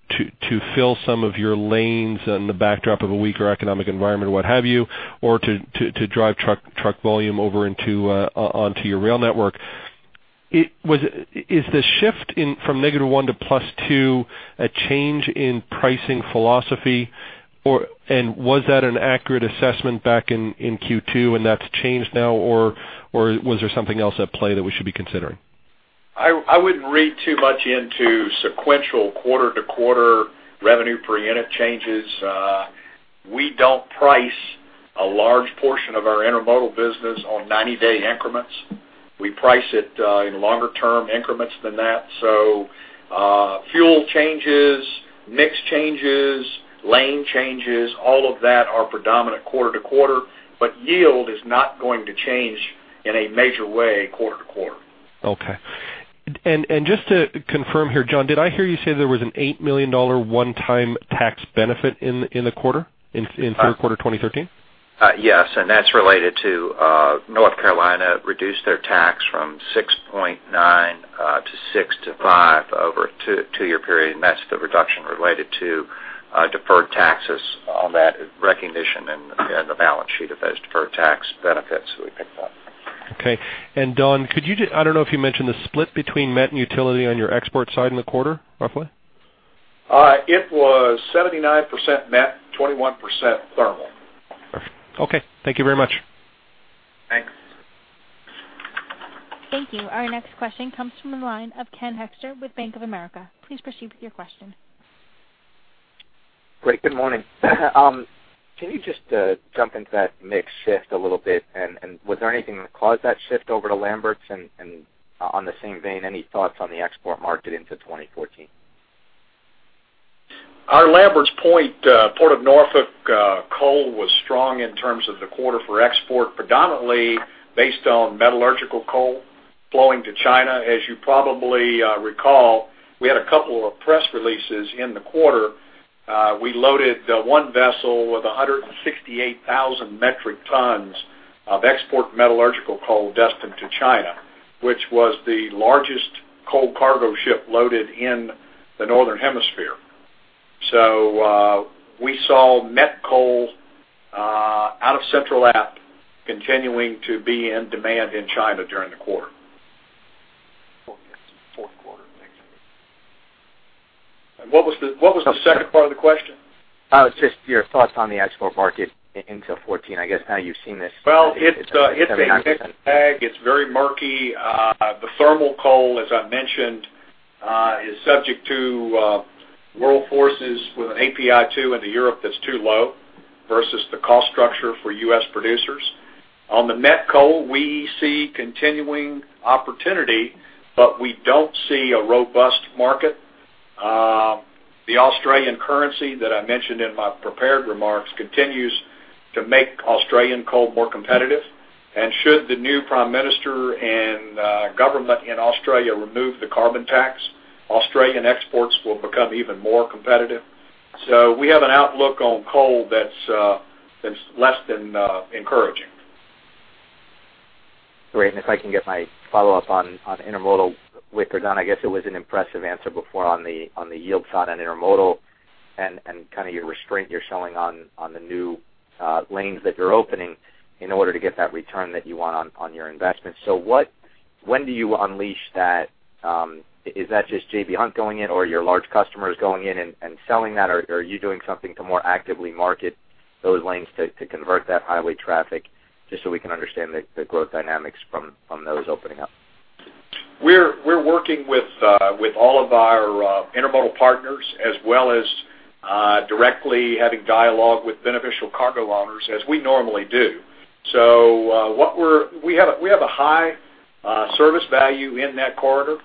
fill some of your lanes on the backdrop of a weaker economic environment, what have you, or to drive truck volume over into onto your rail network. It Is the shift from -1 to +2 a change in pricing philosophy, or was that an accurate assessment back in Q2, and that's changed now, or was there something else at play that we should be considering? I wouldn't read too much into sequential quarter-to-quarter revenue per unit changes. We don't price a large portion of our intermodal business on 90-day increments. We price it in longer term increments than that. So, fuel changes, mix changes, lane changes, all of that are predominant quarter to quarter, but yield is not going to change in a major way quarter to quarter. Okay. And just to confirm here, John, did I hear you say there was an $8 million one-time tax benefit in the quarter, third quarter 2013? Yes, and that's related to North Carolina reduced their tax from 6.9 to 6.5 over a two-year period, and that's the reduction related to deferred taxes on that recognition and the balance sheet of those deferred tax benefits we picked up. Okay. And Don, could you just, I don't know if you mentioned the split between met and utility on your export side in the quarter, by the way? It was 79% met, 21% thermal. Perfect. Okay. Thank you very much. Thanks. Thank you. Our next question comes from the line of Ken Hoexter with Bank of America. Please proceed with your question. Great, good morning. Can you just jump into that mix shift a little bit, and was there anything that caused that shift over to Lamberts? And on the same vein, any thoughts on the export market into 2014? Our Lamberts Point, Port of Norfolk, coal was strong in terms of the quarter for export, predominantly based on metallurgical coal flowing to China. As you probably recall, we had a couple of press releases in the quarter. We loaded one vessel with 168,000 metric tons of export metallurgical coal destined to China, which was the largest coal cargo ship loaded in the northern hemisphere. So, we saw met coal Central Appalachia continuing to be in demand in China during the quarter. Fourth quarter. And what was the second part of the question? It's just your thoughts on the export market into 2014, I guess, now you've seen this- Well, it's, it's a mixed bag. It's very murky. The thermal coal, as I mentioned, is subject to, world forces with an API 2 into Europe that's too low versus the cost structure for U.S. producers. On the met coal, we see continuing opportunity, but we don't see a robust market. The Australian currency that I mentioned in my prepared remarks continues to make Australian coal more competitive. And should the new prime minister and, government in Australia remove the carbon tax, Australian exports will become even more competitive. So we have an outlook on coal that's, that's less than, encouraging. Great. And if I can get my follow-up on intermodal with Don, I guess it was an impressive answer before on the yield side on intermodal and kind of your restraint you're showing on the new lanes that you're opening in order to get that return that you want on your investment. So what—when do you unleash that? Is that just J.B. Hunt going in, or your large customers going in and selling that, or are you doing something to more actively market those lanes to convert that highway traffic just so we can understand the growth dynamics from those opening up? We're working with all of our intermodal partners, as well as directly having dialogue with beneficial cargo owners, as we normally do. So, we have a high service value in that corridor,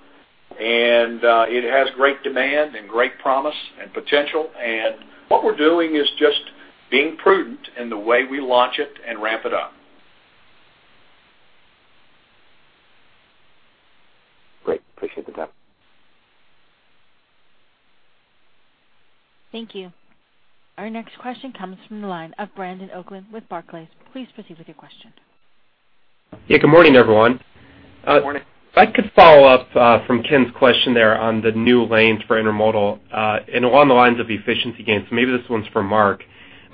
and it has great demand and great promise and potential. And what we're doing is just being prudent in the way we launch it and ramp it up. Great. Appreciate the time. Thank you. Our next question comes from the line of Brandon Oglenski with Barclays. Please proceed with your question. Yeah, good morning, everyone. Good morning. If I could follow up, from Ken's question there on the new lanes for intermodal, and along the lines of efficiency gains, so maybe this one's for Mark.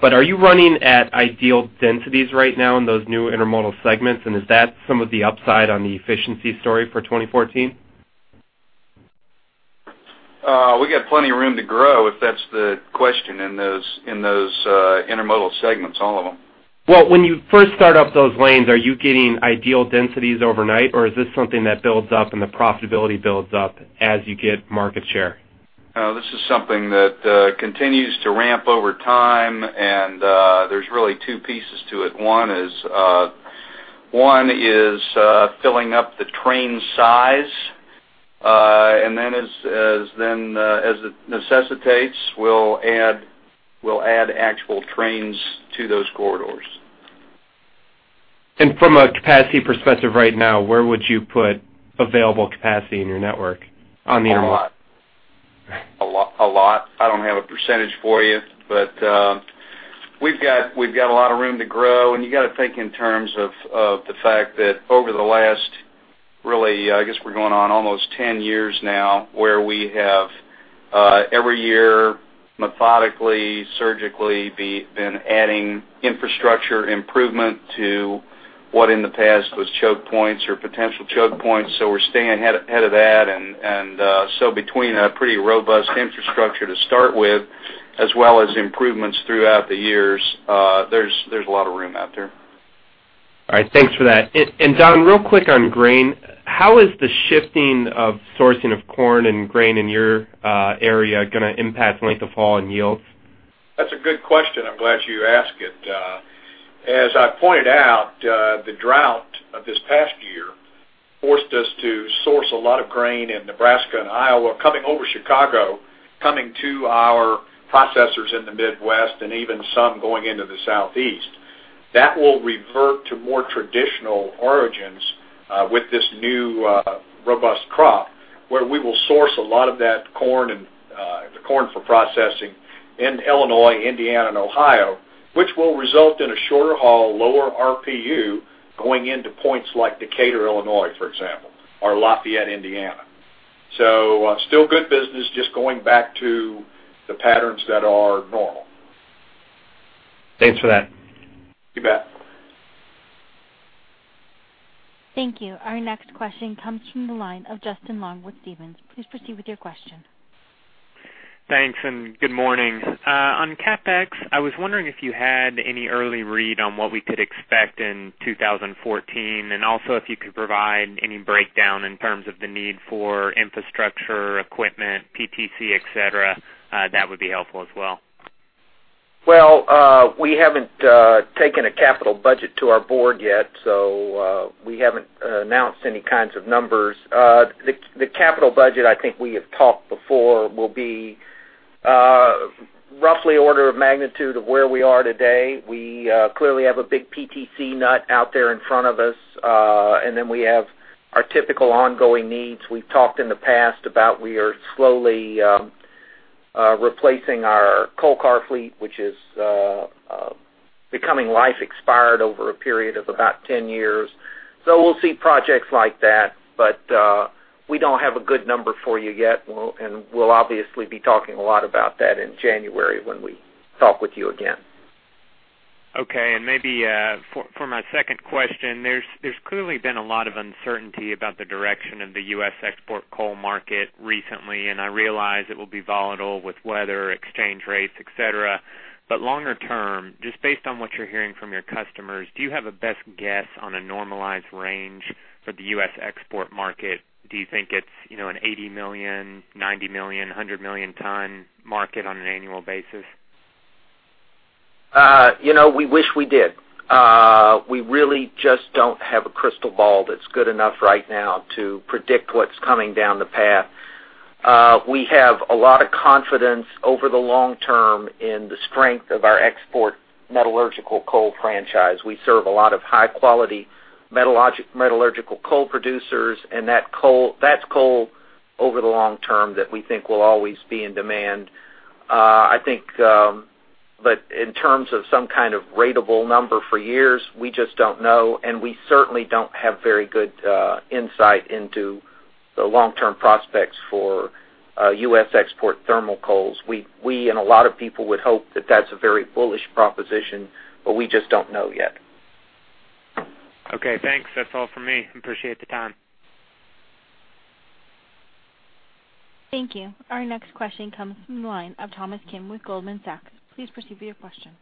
But are you running at ideal densities right now in those new intermodal segments? And is that some of the upside on the efficiency story for 2014? We got plenty of room to grow, if that's the question, in those intermodal segments, all of them. Well, when you first start up those lanes, are you getting ideal densities overnight, or is this something that builds up and the profitability builds up as you get market share? This is something that continues to ramp over time, and there's really two pieces to it. One is filling up the train size, and then, as it necessitates, we'll add actual trains to those corridors. From a capacity perspective right now, where would you put available capacity in your network on the intermodal? A lot. I don't have a percentage for you, but we've got, we've got a lot of room to grow. And you gotta think in terms of of the fact that over the last, really, I guess, we're going on almost 10 years now, where we have every year, methodically, surgically, been adding infrastructure improvement to what in the past was choke points or potential choke points. So we're staying ahead, ahead of that. And so between a pretty robust infrastructure to start with, as well as improvements throughout the years, there's a lot of room out there. All right. Thanks for that. And Don, real quick on grain, how is the shifting of sourcing of corn and grain in your area gonna impact length of haul and yields? That's a good question. I'm glad you asked it. As I pointed out, the drought of this past year forced us to source a lot of grain in Nebraska and Iowa, coming over Chicago, coming to our processors in the Midwest, and even some going into the Southeast. That will revert to more traditional origins, with this new, robust crop, where we will source a lot of that corn and, the corn for processing in Illinois, Indiana, and Ohio, which will result in a shorter haul, lower RPU, going into points like Decatur, Illinois, for example, or Lafayette, Indiana. So, still good business, just going back to the patterns that are normal. Thanks for that. You bet. Thank you. Our next question comes from the line of Justin Long with Stephens. Please proceed with your question. Thanks, and good morning. On CapEx, I was wondering if you had any early read on what we could expect in 2014, and also if you could provide any breakdown in terms of the need for infrastructure, equipment, PTC, et cetera, that would be helpful as well. Well, we haven't taken a capital budget to our board yet, so we haven't announced any kinds of numbers. The capital budget, I think we have talked before, will be roughly order of magnitude of where we are today. We clearly have a big PTC nut out there in front of us, and then we have our typical ongoing needs. We've talked in the past about we are slowly replacing our coal car fleet, which is becoming life expired over a period of about 10 years. So we'll see projects like that, but We don't have a good number for you yet, and we'll obviously be talking a lot about that in January when we talk with you again. Okay. And maybe, for my second question, there's clearly been a lot of uncertainty about the direction of the U.S. export coal market recently, and I realize it will be volatile with weather, exchange rates, et cetera. But longer term, just based on what you're hearing from your customers, do you have a best guess on a normalized range for the U.S. export market? Do you think it's, you know, an 80 million, 90 million, 100 million ton market on an annual basis? You know, we wish we did. We really just don't have a crystal ball that's good enough right now to predict what's coming down the path. We have a lot of confidence over the long term in the strength of our export metallurgical coal franchise. We serve a lot of high-quality metallurgical coal producers, and that coal—that's coal over the long term that we think will always be in demand. I think, but in terms of some kind of ratable number for years, we just don't know, and we certainly don't have very good insight into the long-term prospects for U.S. export thermal coals. We and a lot of people would hope that that's a very bullish proposition, but we just don't know yet. Okay, thanks. That's all for me. Appreciate the time. Thank you. Our next question comes from the line of Thomas Kim with Goldman Sachs. Please proceed with your question.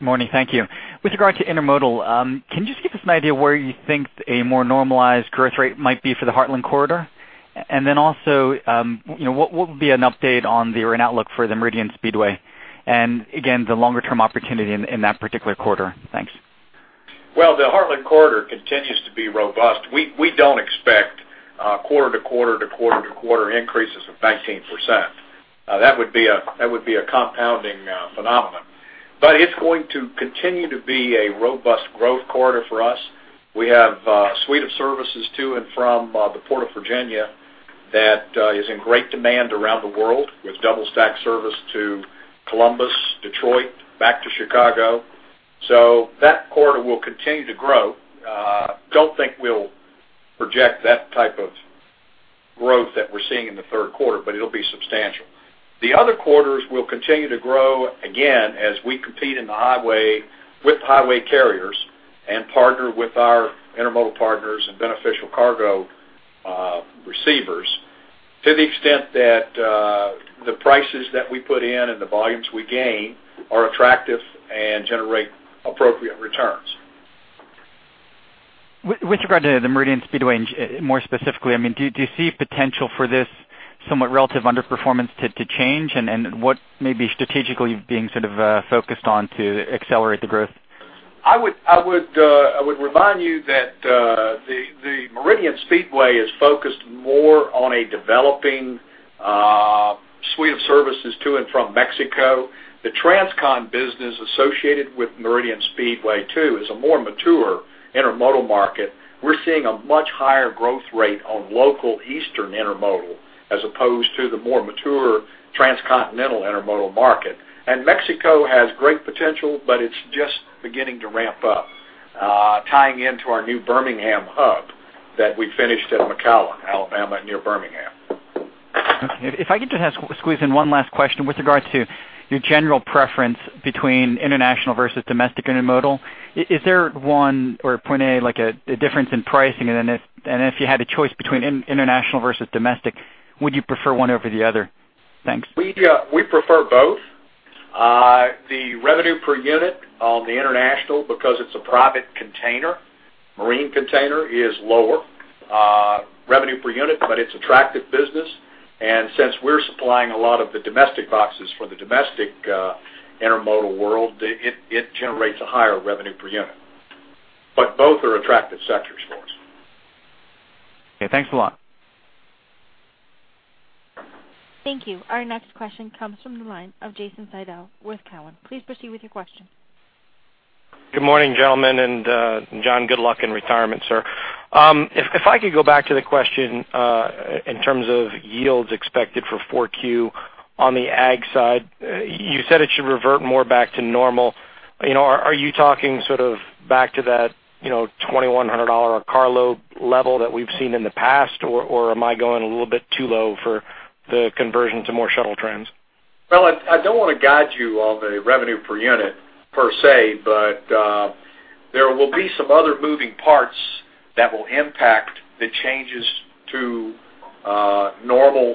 Morning. Thank you. With regard to intermodal, can you just give us an idea where you think a more normalized growth rate might be for the Heartland Corridor? And then also, you know, what would be an update on the current outlook for the Meridian Speedway? And again, the longer term opportunity in that particular corridor. Thanks. Well, the Heartland Corridor continues to be robust. We, we don't expect, quarter to quarter to quarter to quarter increases of 19%. That would be a, that would be a compounding, phenomenon. But it's going to continue to be a robust growth corridor for us. We have, a suite of services to and from, the Port of Virginia that, is in great demand around the world, with double stack service to Columbus, Detroit, back to Chicago. So that corridor will continue to grow. Don't think we'll project that type of growth that we're seeing in the third quarter, but it'll be substantial. The other corridors will continue to grow, again, as we compete in the highway with highway carriers and partner with our intermodal partners and beneficial cargo receivers, to the extent that the prices that we put in and the volumes we gain are attractive and generate appropriate returns. With regard to the Meridian Speedway, and more specifically, I mean, do you see potential for this somewhat relative underperformance to change? And what may be strategically being sort of focused on to accelerate the growth? I would remind you that the Meridian Speedway is focused more on a developing suite of services to and from Mexico. The transcon business associated with Meridian Speedway, too, is a more mature intermodal market. We're seeing a much higher growth rate on local eastern intermodal as opposed to the more mature transcontinental intermodal market. And Mexico has great potential, but it's just beginning to ramp up, tying into our new Birmingham hub that we finished at McCalla, Alabama, near Birmingham. Okay. If I could just ask—squeeze in one last question with regards to your general preference between international versus domestic intermodal. Is there one or point A, like a difference in pricing? And then if you had a choice between international versus domestic, would you prefer one over the other? Thanks. We prefer both. The revenue per unit on the international, because it's a private container, marine container, is lower revenue per unit, but it's attractive business. And since we're supplying a lot of the domestic boxes for the domestic intermodal world, it generates a higher revenue per unit. But both are attractive sectors for us. Okay, thanks a lot. Thank you. Our next question comes from the line of Jason Seidl with Cowen. Please proceed with your question. Good morning, gentlemen. John, good luck in retirement, sir. If I could go back to the question, in terms of yields expected for 4Q on the ag side, you said it should revert more back to normal. You know, are you talking sort of back to that, you know, $2,100 carload level that we've seen in the past, or am I going a little bit too low for the conversion to more shuttle trends? Well, I don't want to guide you on the revenue per unit per se, but there will be some other moving parts that will impact the changes to normal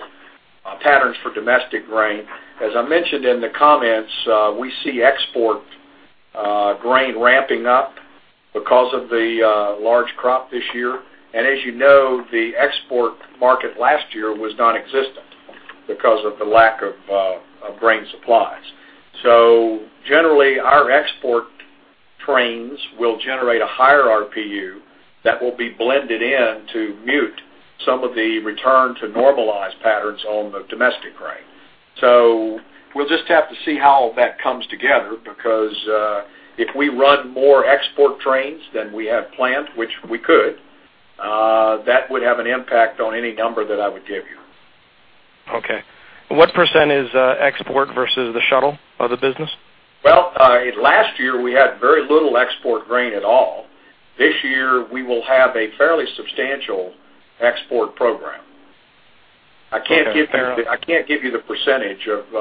patterns for domestic grain. As I mentioned in the comments, we see export grain ramping up because of the large crop this year. And as you know, the export market last year was nonexistent because of the lack of of grain supplies. So generally, our export trains will generate a higher RPU that will be blended in to mute some of the return to normalized patterns on the domestic grain. So we'll just have to see how that comes together, because if we run more export trains than we had planned, which we could, that would have an impact on any number that I would give you. Okay. What % is export versus the shuttle of the business? Well, last year, we had very little export grain at all. This year, we will have a fairly substantial export program. Okay. I can't give you, I can't give you the percentage of,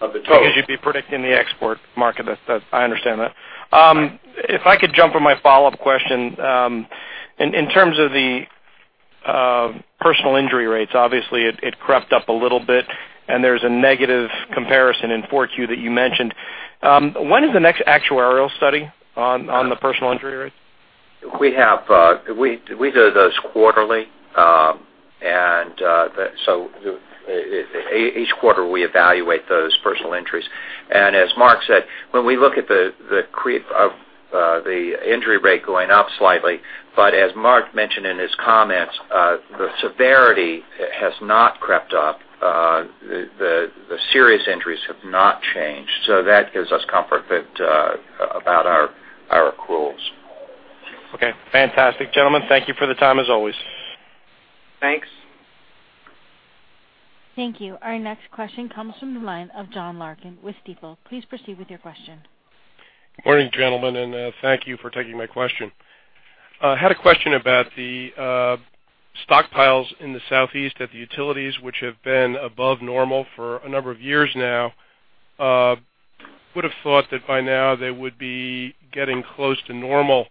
of the total. Because you'd be predicting the export market. That's. I understand that. If I could jump on my follow-up question, in terms of the personal injury rates, obviously, it crept up a little bit, and there's a negative comparison in 4Q that you mentioned. When is the next actuarial study on the personal injury rates? We have, we do those quarterly. Each quarter we evaluate those personal injuries. And as Mark said, when we look at the creep of the injury rate going up slightly, but as Mark mentioned in his comments, the severity has not crept up. The serious injuries have not changed, so that gives us comfort that about our accruals. Okay, fantastic. Gentlemen, thank you for the time, as always. Thanks. Thank you. Our next question comes from the line of John Larkin with Stifel. Please proceed with your question. Morning, gentlemen, and thank you for taking my question. Had a question about the stockpiles in the Southeast at the utilities, which have been above normal for a number of years now. Would have thought that by now, they would be getting close to normal.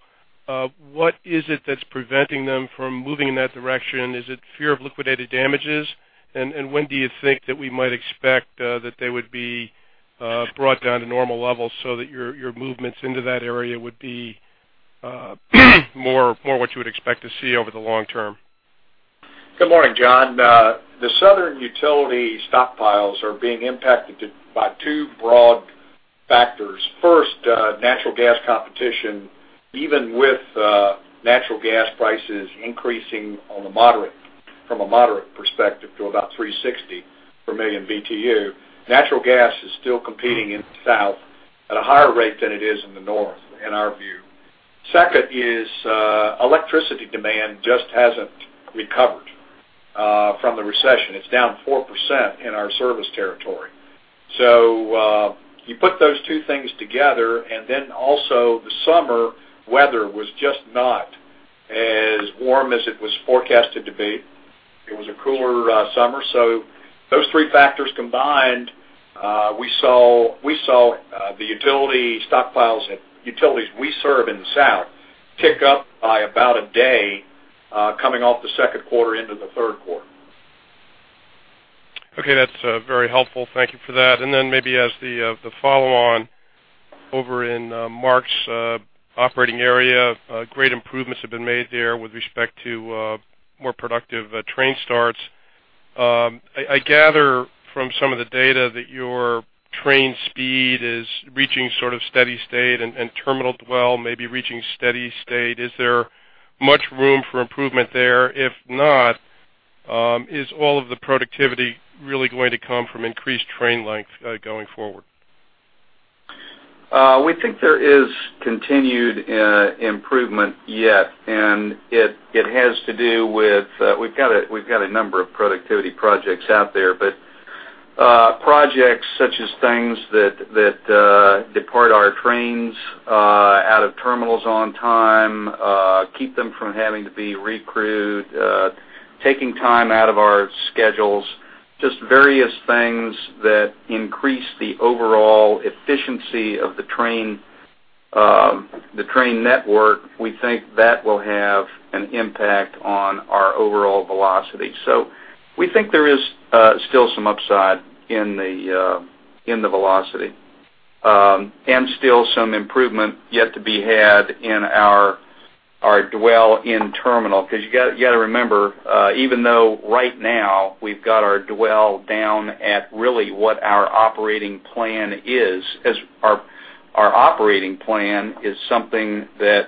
What is it that's preventing them from moving in that direction? Is it fear of liquidated damages? And when do you think that we might expect that they would be brought down to normal levels so that your movements into that area would be more what you would expect to see over the long term? Good morning, John. The southern utility stockpiles are being impacted by two broad factors. First, natural gas competition, even with natural gas prices increasing on a moderate, from a moderate perspective to about $3.60 per million BTU, natural gas is still competing in the South at a higher rate than it is in the North, in our view. Second is electricity demand just hasn't recovered from the recession. It's down 4% in our service territory. So, you put those two things together, and then also the summer weather was just not as warm as it was forecasted to be. It was a cooler summer. So those three factors combined, we saw the utility stockpiles at utilities we serve in the South tick up by about a day, coming off the second quarter into the third quarter. Okay, that's very helpful. Thank you for that. And then maybe as the follow-on over in Mark's operating area, great improvements have been made there with respect to more productive train starts. I gather from some of the data that your train speed is reaching sort of steady state and terminal dwell, maybe reaching steady state. Is there much room for improvement there? If not, is all of the productivity really going to come from increased train length going forward? We think there is continued improvement yet, and it has to do with we've got a number of productivity projects out there. Projects such as things that depart our trains out of terminals on time, keep them from having to be re-crewed, taking time out of our schedules, just various things that increase the overall efficiency of the train, the train network, we think that will have an impact on our overall velocity. So we think there is still some upside in the velocity, and still some improvement yet to be had in our dwell in terminal. 'Cause you got, you gotta remember, even though right now we've got our dwell down at really what our operating plan is, as our operating plan is something that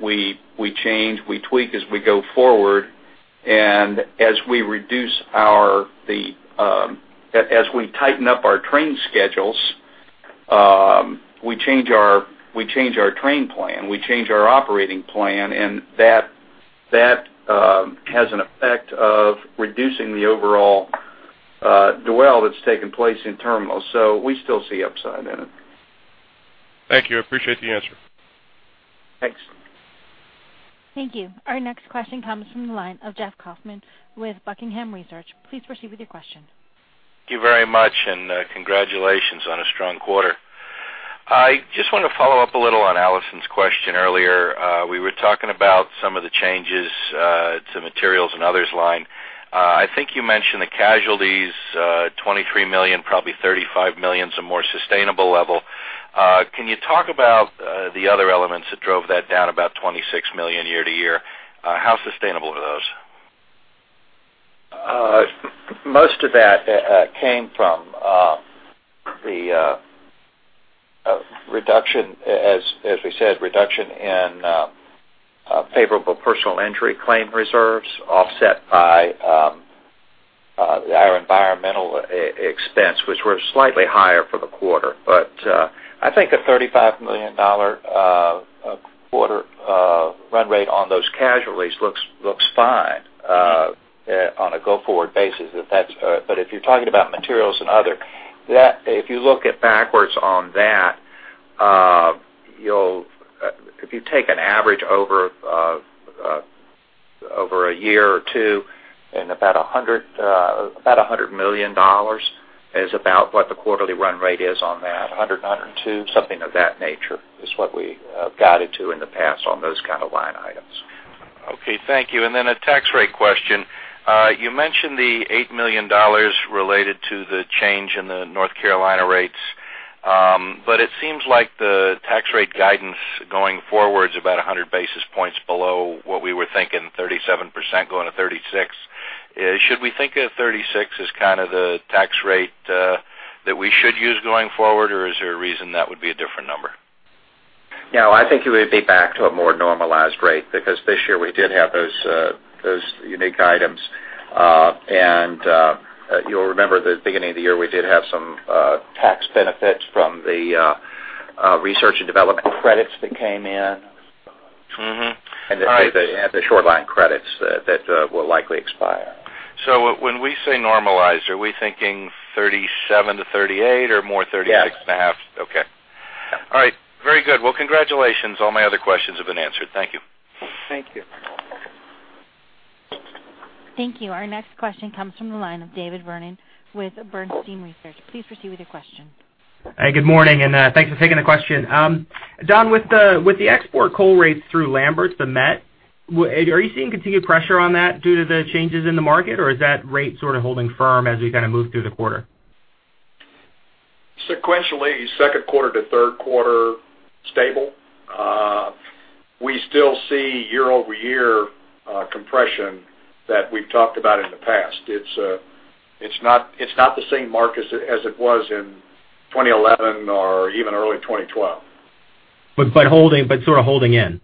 we change, we tweak as we go forward. And as we reduce the, as we tighten up our train schedules, we change our train plan, we change our operating plan, and that has an effect of reducing the overall dwell that's taking place in terminals. So we still see upside in it. Thank you. I appreciate the answer. Thanks. Thank you. Our next question comes from the line of Jeff Kaufman with Buckingham Research. Please proceed with your question. Thank you very much, and congratulations on a strong quarter. I just want to follow up a little on Allison's question earlier. We were talking about some of the changes to materials and others line. I think you mentioned the casualties, $23 million, probably $35 million, is a more sustainable level. Can you talk about the other elements that drove that down about $26 million year-over-year? How sustainable are those? Most of that came from the reduction, as we said, reduction in favorable personal injury claim reserves, offset by our environmental expense, which were slightly higher for the quarter. But I think a $35 million quarter run rate on those casualties looks fine on a go-forward basis, if that's. But if you're talking about materials and other, that, if you look at backwards on that, you'll if you take an average over a year or two and about $100 million is about what the quarterly run rate is on that. 100, 102, something of that nature is what we guided to in the past on those kind of line items. Okay, thank you. And then a tax rate question. You mentioned the $8 million related to the change in the North Carolina rates, but it seems like the tax rate guidance going forward is about 100 basis points below what we were thinking, 37%, going to 36. Should we think of 36 as kind of the tax rate that we should use going forward, or is there a reason that would be a different number? No, I think it would be back to a more normalized rate because this year we did have those unique items. And, you'll remember the beginning of the year, we did have some tax benefits from the research and development credits that came in. Mm-hmm. All right. The short line credits that will likely expire. So when we say normalized, are we thinking 37-38 or more than 36.5? Yes. Okay. All right. Very good. Well, congratulations. All my other questions have been answered. Thank you. Thank you. Thank you. Our next question comes from the line of David Vernon with Bernstein Research. Please proceed with your question. Hi, good morning, and thanks for taking the question. Don, with the, with the export coal rates through Lamberts Point, the met, are you seeing continued pressure on that due to the changes in the market, or is that rate sort of holding firm as we kind of move through the quarter? Sequentially, second quarter to third quarter, stable. We still see year-over-year compression that we've talked about in the past. It's not the same market as it was in 2011 or even early 2012. But sort of holding in?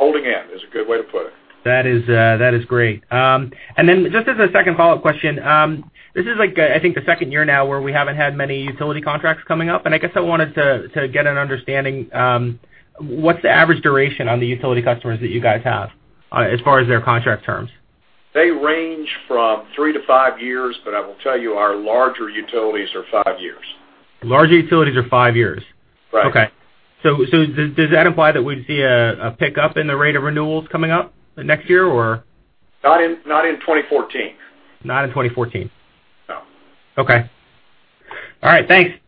Holding in is a good way to put it. That is, that is great. And then just as a second follow-up question, this is like, I think the second year now where we haven't had many utility contracts coming up, and I guess I wanted to, to get an understanding, what's the average duration on the utility customers that you guys have, as far as their contract terms? They range from 3-5 years, but I will tell you our larger utilities are 5 years. Larger utilities are five years? Right. Okay. So does that imply that we'd see a pickup in the rate of renewals coming up next year, or? Not in, not in 2014. Not in 2014. No. Okay. All right, thanks!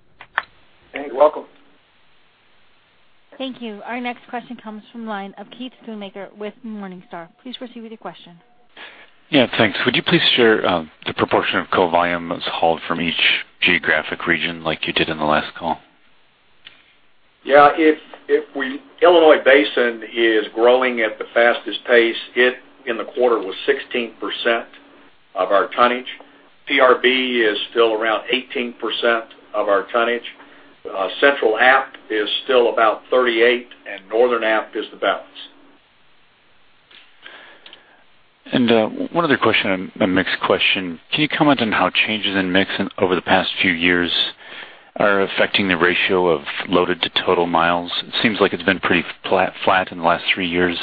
Thank you. Welcome. Thank you. Our next question comes from the line of Keith Schoonmaker with Morningstar. Please proceed with your question. Yeah, thanks. Would you please share the proportion of coal volume that's hauled from each geographic region, like you did in the last call? Illinois Basin is growing at the fastest pace. It, in the quarter, was 16% of our tonnage. PRB is still around 18% of our tonnage. Central App is still about 38, and Northern App is the balance. One other question, a mix question. Can you comment on how changes in mix in over the past few years are affecting the ratio of loaded to total miles? It seems like it's been pretty flat in the last three years,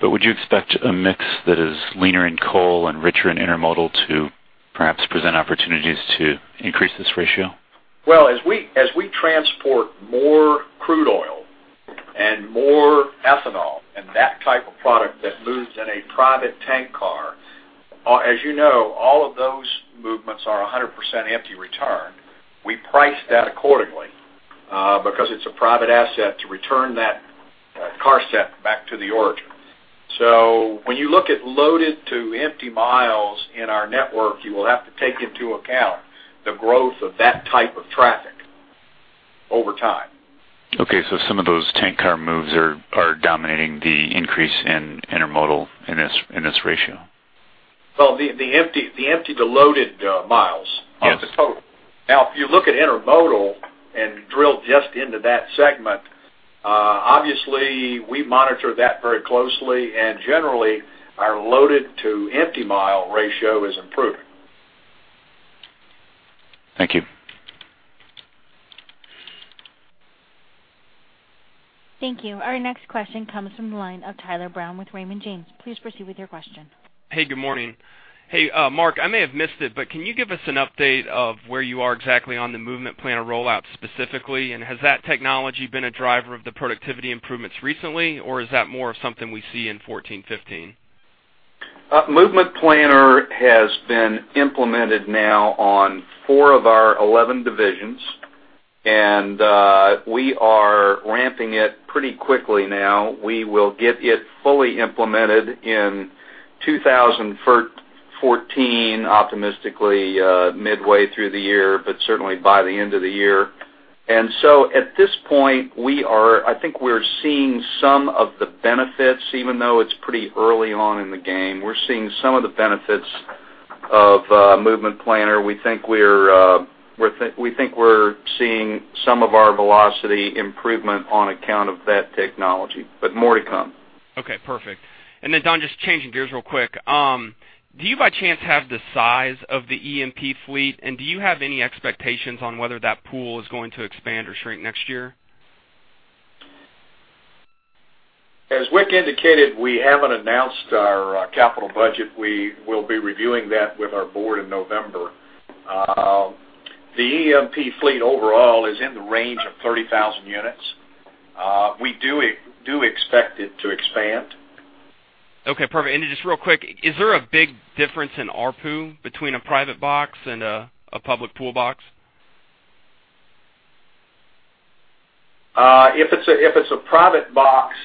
but would you expect a mix that is leaner in coal and richer in intermodal to perhaps present opportunities to increase this ratio? Well, as we transport more crude oil and more ethanol and that type of product that moves in a private tank car, as you know, all of those movements are 100% empty return. We price that accordingly, because it's a private asset to return that car set back to the origin. So when you look at loaded to empty miles in our network, you will have to take into account the growth of that type of traffic over time. Okay, so some of those tank car moves are dominating the increase in intermodal in this ratio? Well, the empty to loaded miles- Yes. - are the total. Now, if you look at intermodal and drill just into that segment, obviously, we monitor that very closely, and generally, our loaded to empty mile ratio is improving. Thank you. Thank you. Our next question comes from the line of Tyler Brown with Raymond James. Please proceed with your question. Hey, good morning. Hey, Mark, I may have missed it, but can you give us an update of where you are exactly on the Movement Planner rollout specifically? And has that technology been a driver of the productivity improvements recently, or is that more of something we see in 2014-2015? Movement Planner has been implemented now on 4 of our 11 divisions, and we are ramping it pretty quickly now. We will get it fully implemented in 2014, optimistically, midway through the year, but certainly by the end of the year. And so at this point, I think we're seeing some of the benefits, even though it's pretty early on in the game. We're seeing some of the benefits of Movement Planner. We think we're seeing some of our velocity improvement on account of that technology, but more to come. Okay, perfect. And then, Don, just changing gears real quick. Do you, by chance, have the size of the EMP fleet? And do you have any expectations on whether that pool is going to expand or shrink next year? As Wick indicated, we haven't announced our capital budget. We will be reviewing that with our board in November. The EMP fleet overall is in the range of 30,000 units. We do expect it to expand. Okay, perfect. And just real quick, is there a big difference in ARPU between a private box and a public pool box? If it's a private box,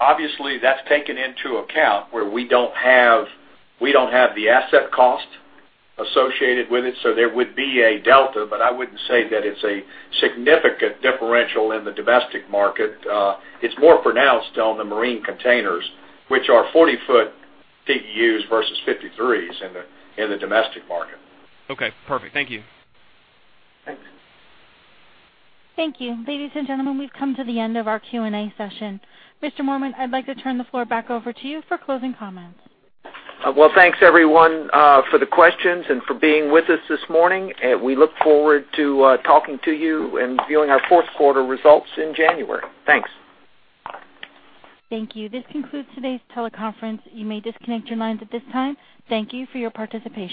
obviously, that's taken into account where we don't have the asset cost associated with it, so there would be a delta, but I wouldn't say that it's a significant differential in the domestic market. It's more pronounced on the marine containers, which are 40-foot TEUs versus 53s in the domestic market. Okay, perfect. Thank you. Thank you. Thank you. Ladies and gentlemen, we've come to the end of our Q&A session. Mr. Moorman, I'd like to turn the floor back over to you for closing comments. Well, thanks, everyone, for the questions and for being with us this morning. We look forward to talking to you and viewing our fourth quarter results in January. Thanks. Thank you. This concludes today's teleconference. You may disconnect your lines at this time. Thank you for your participation.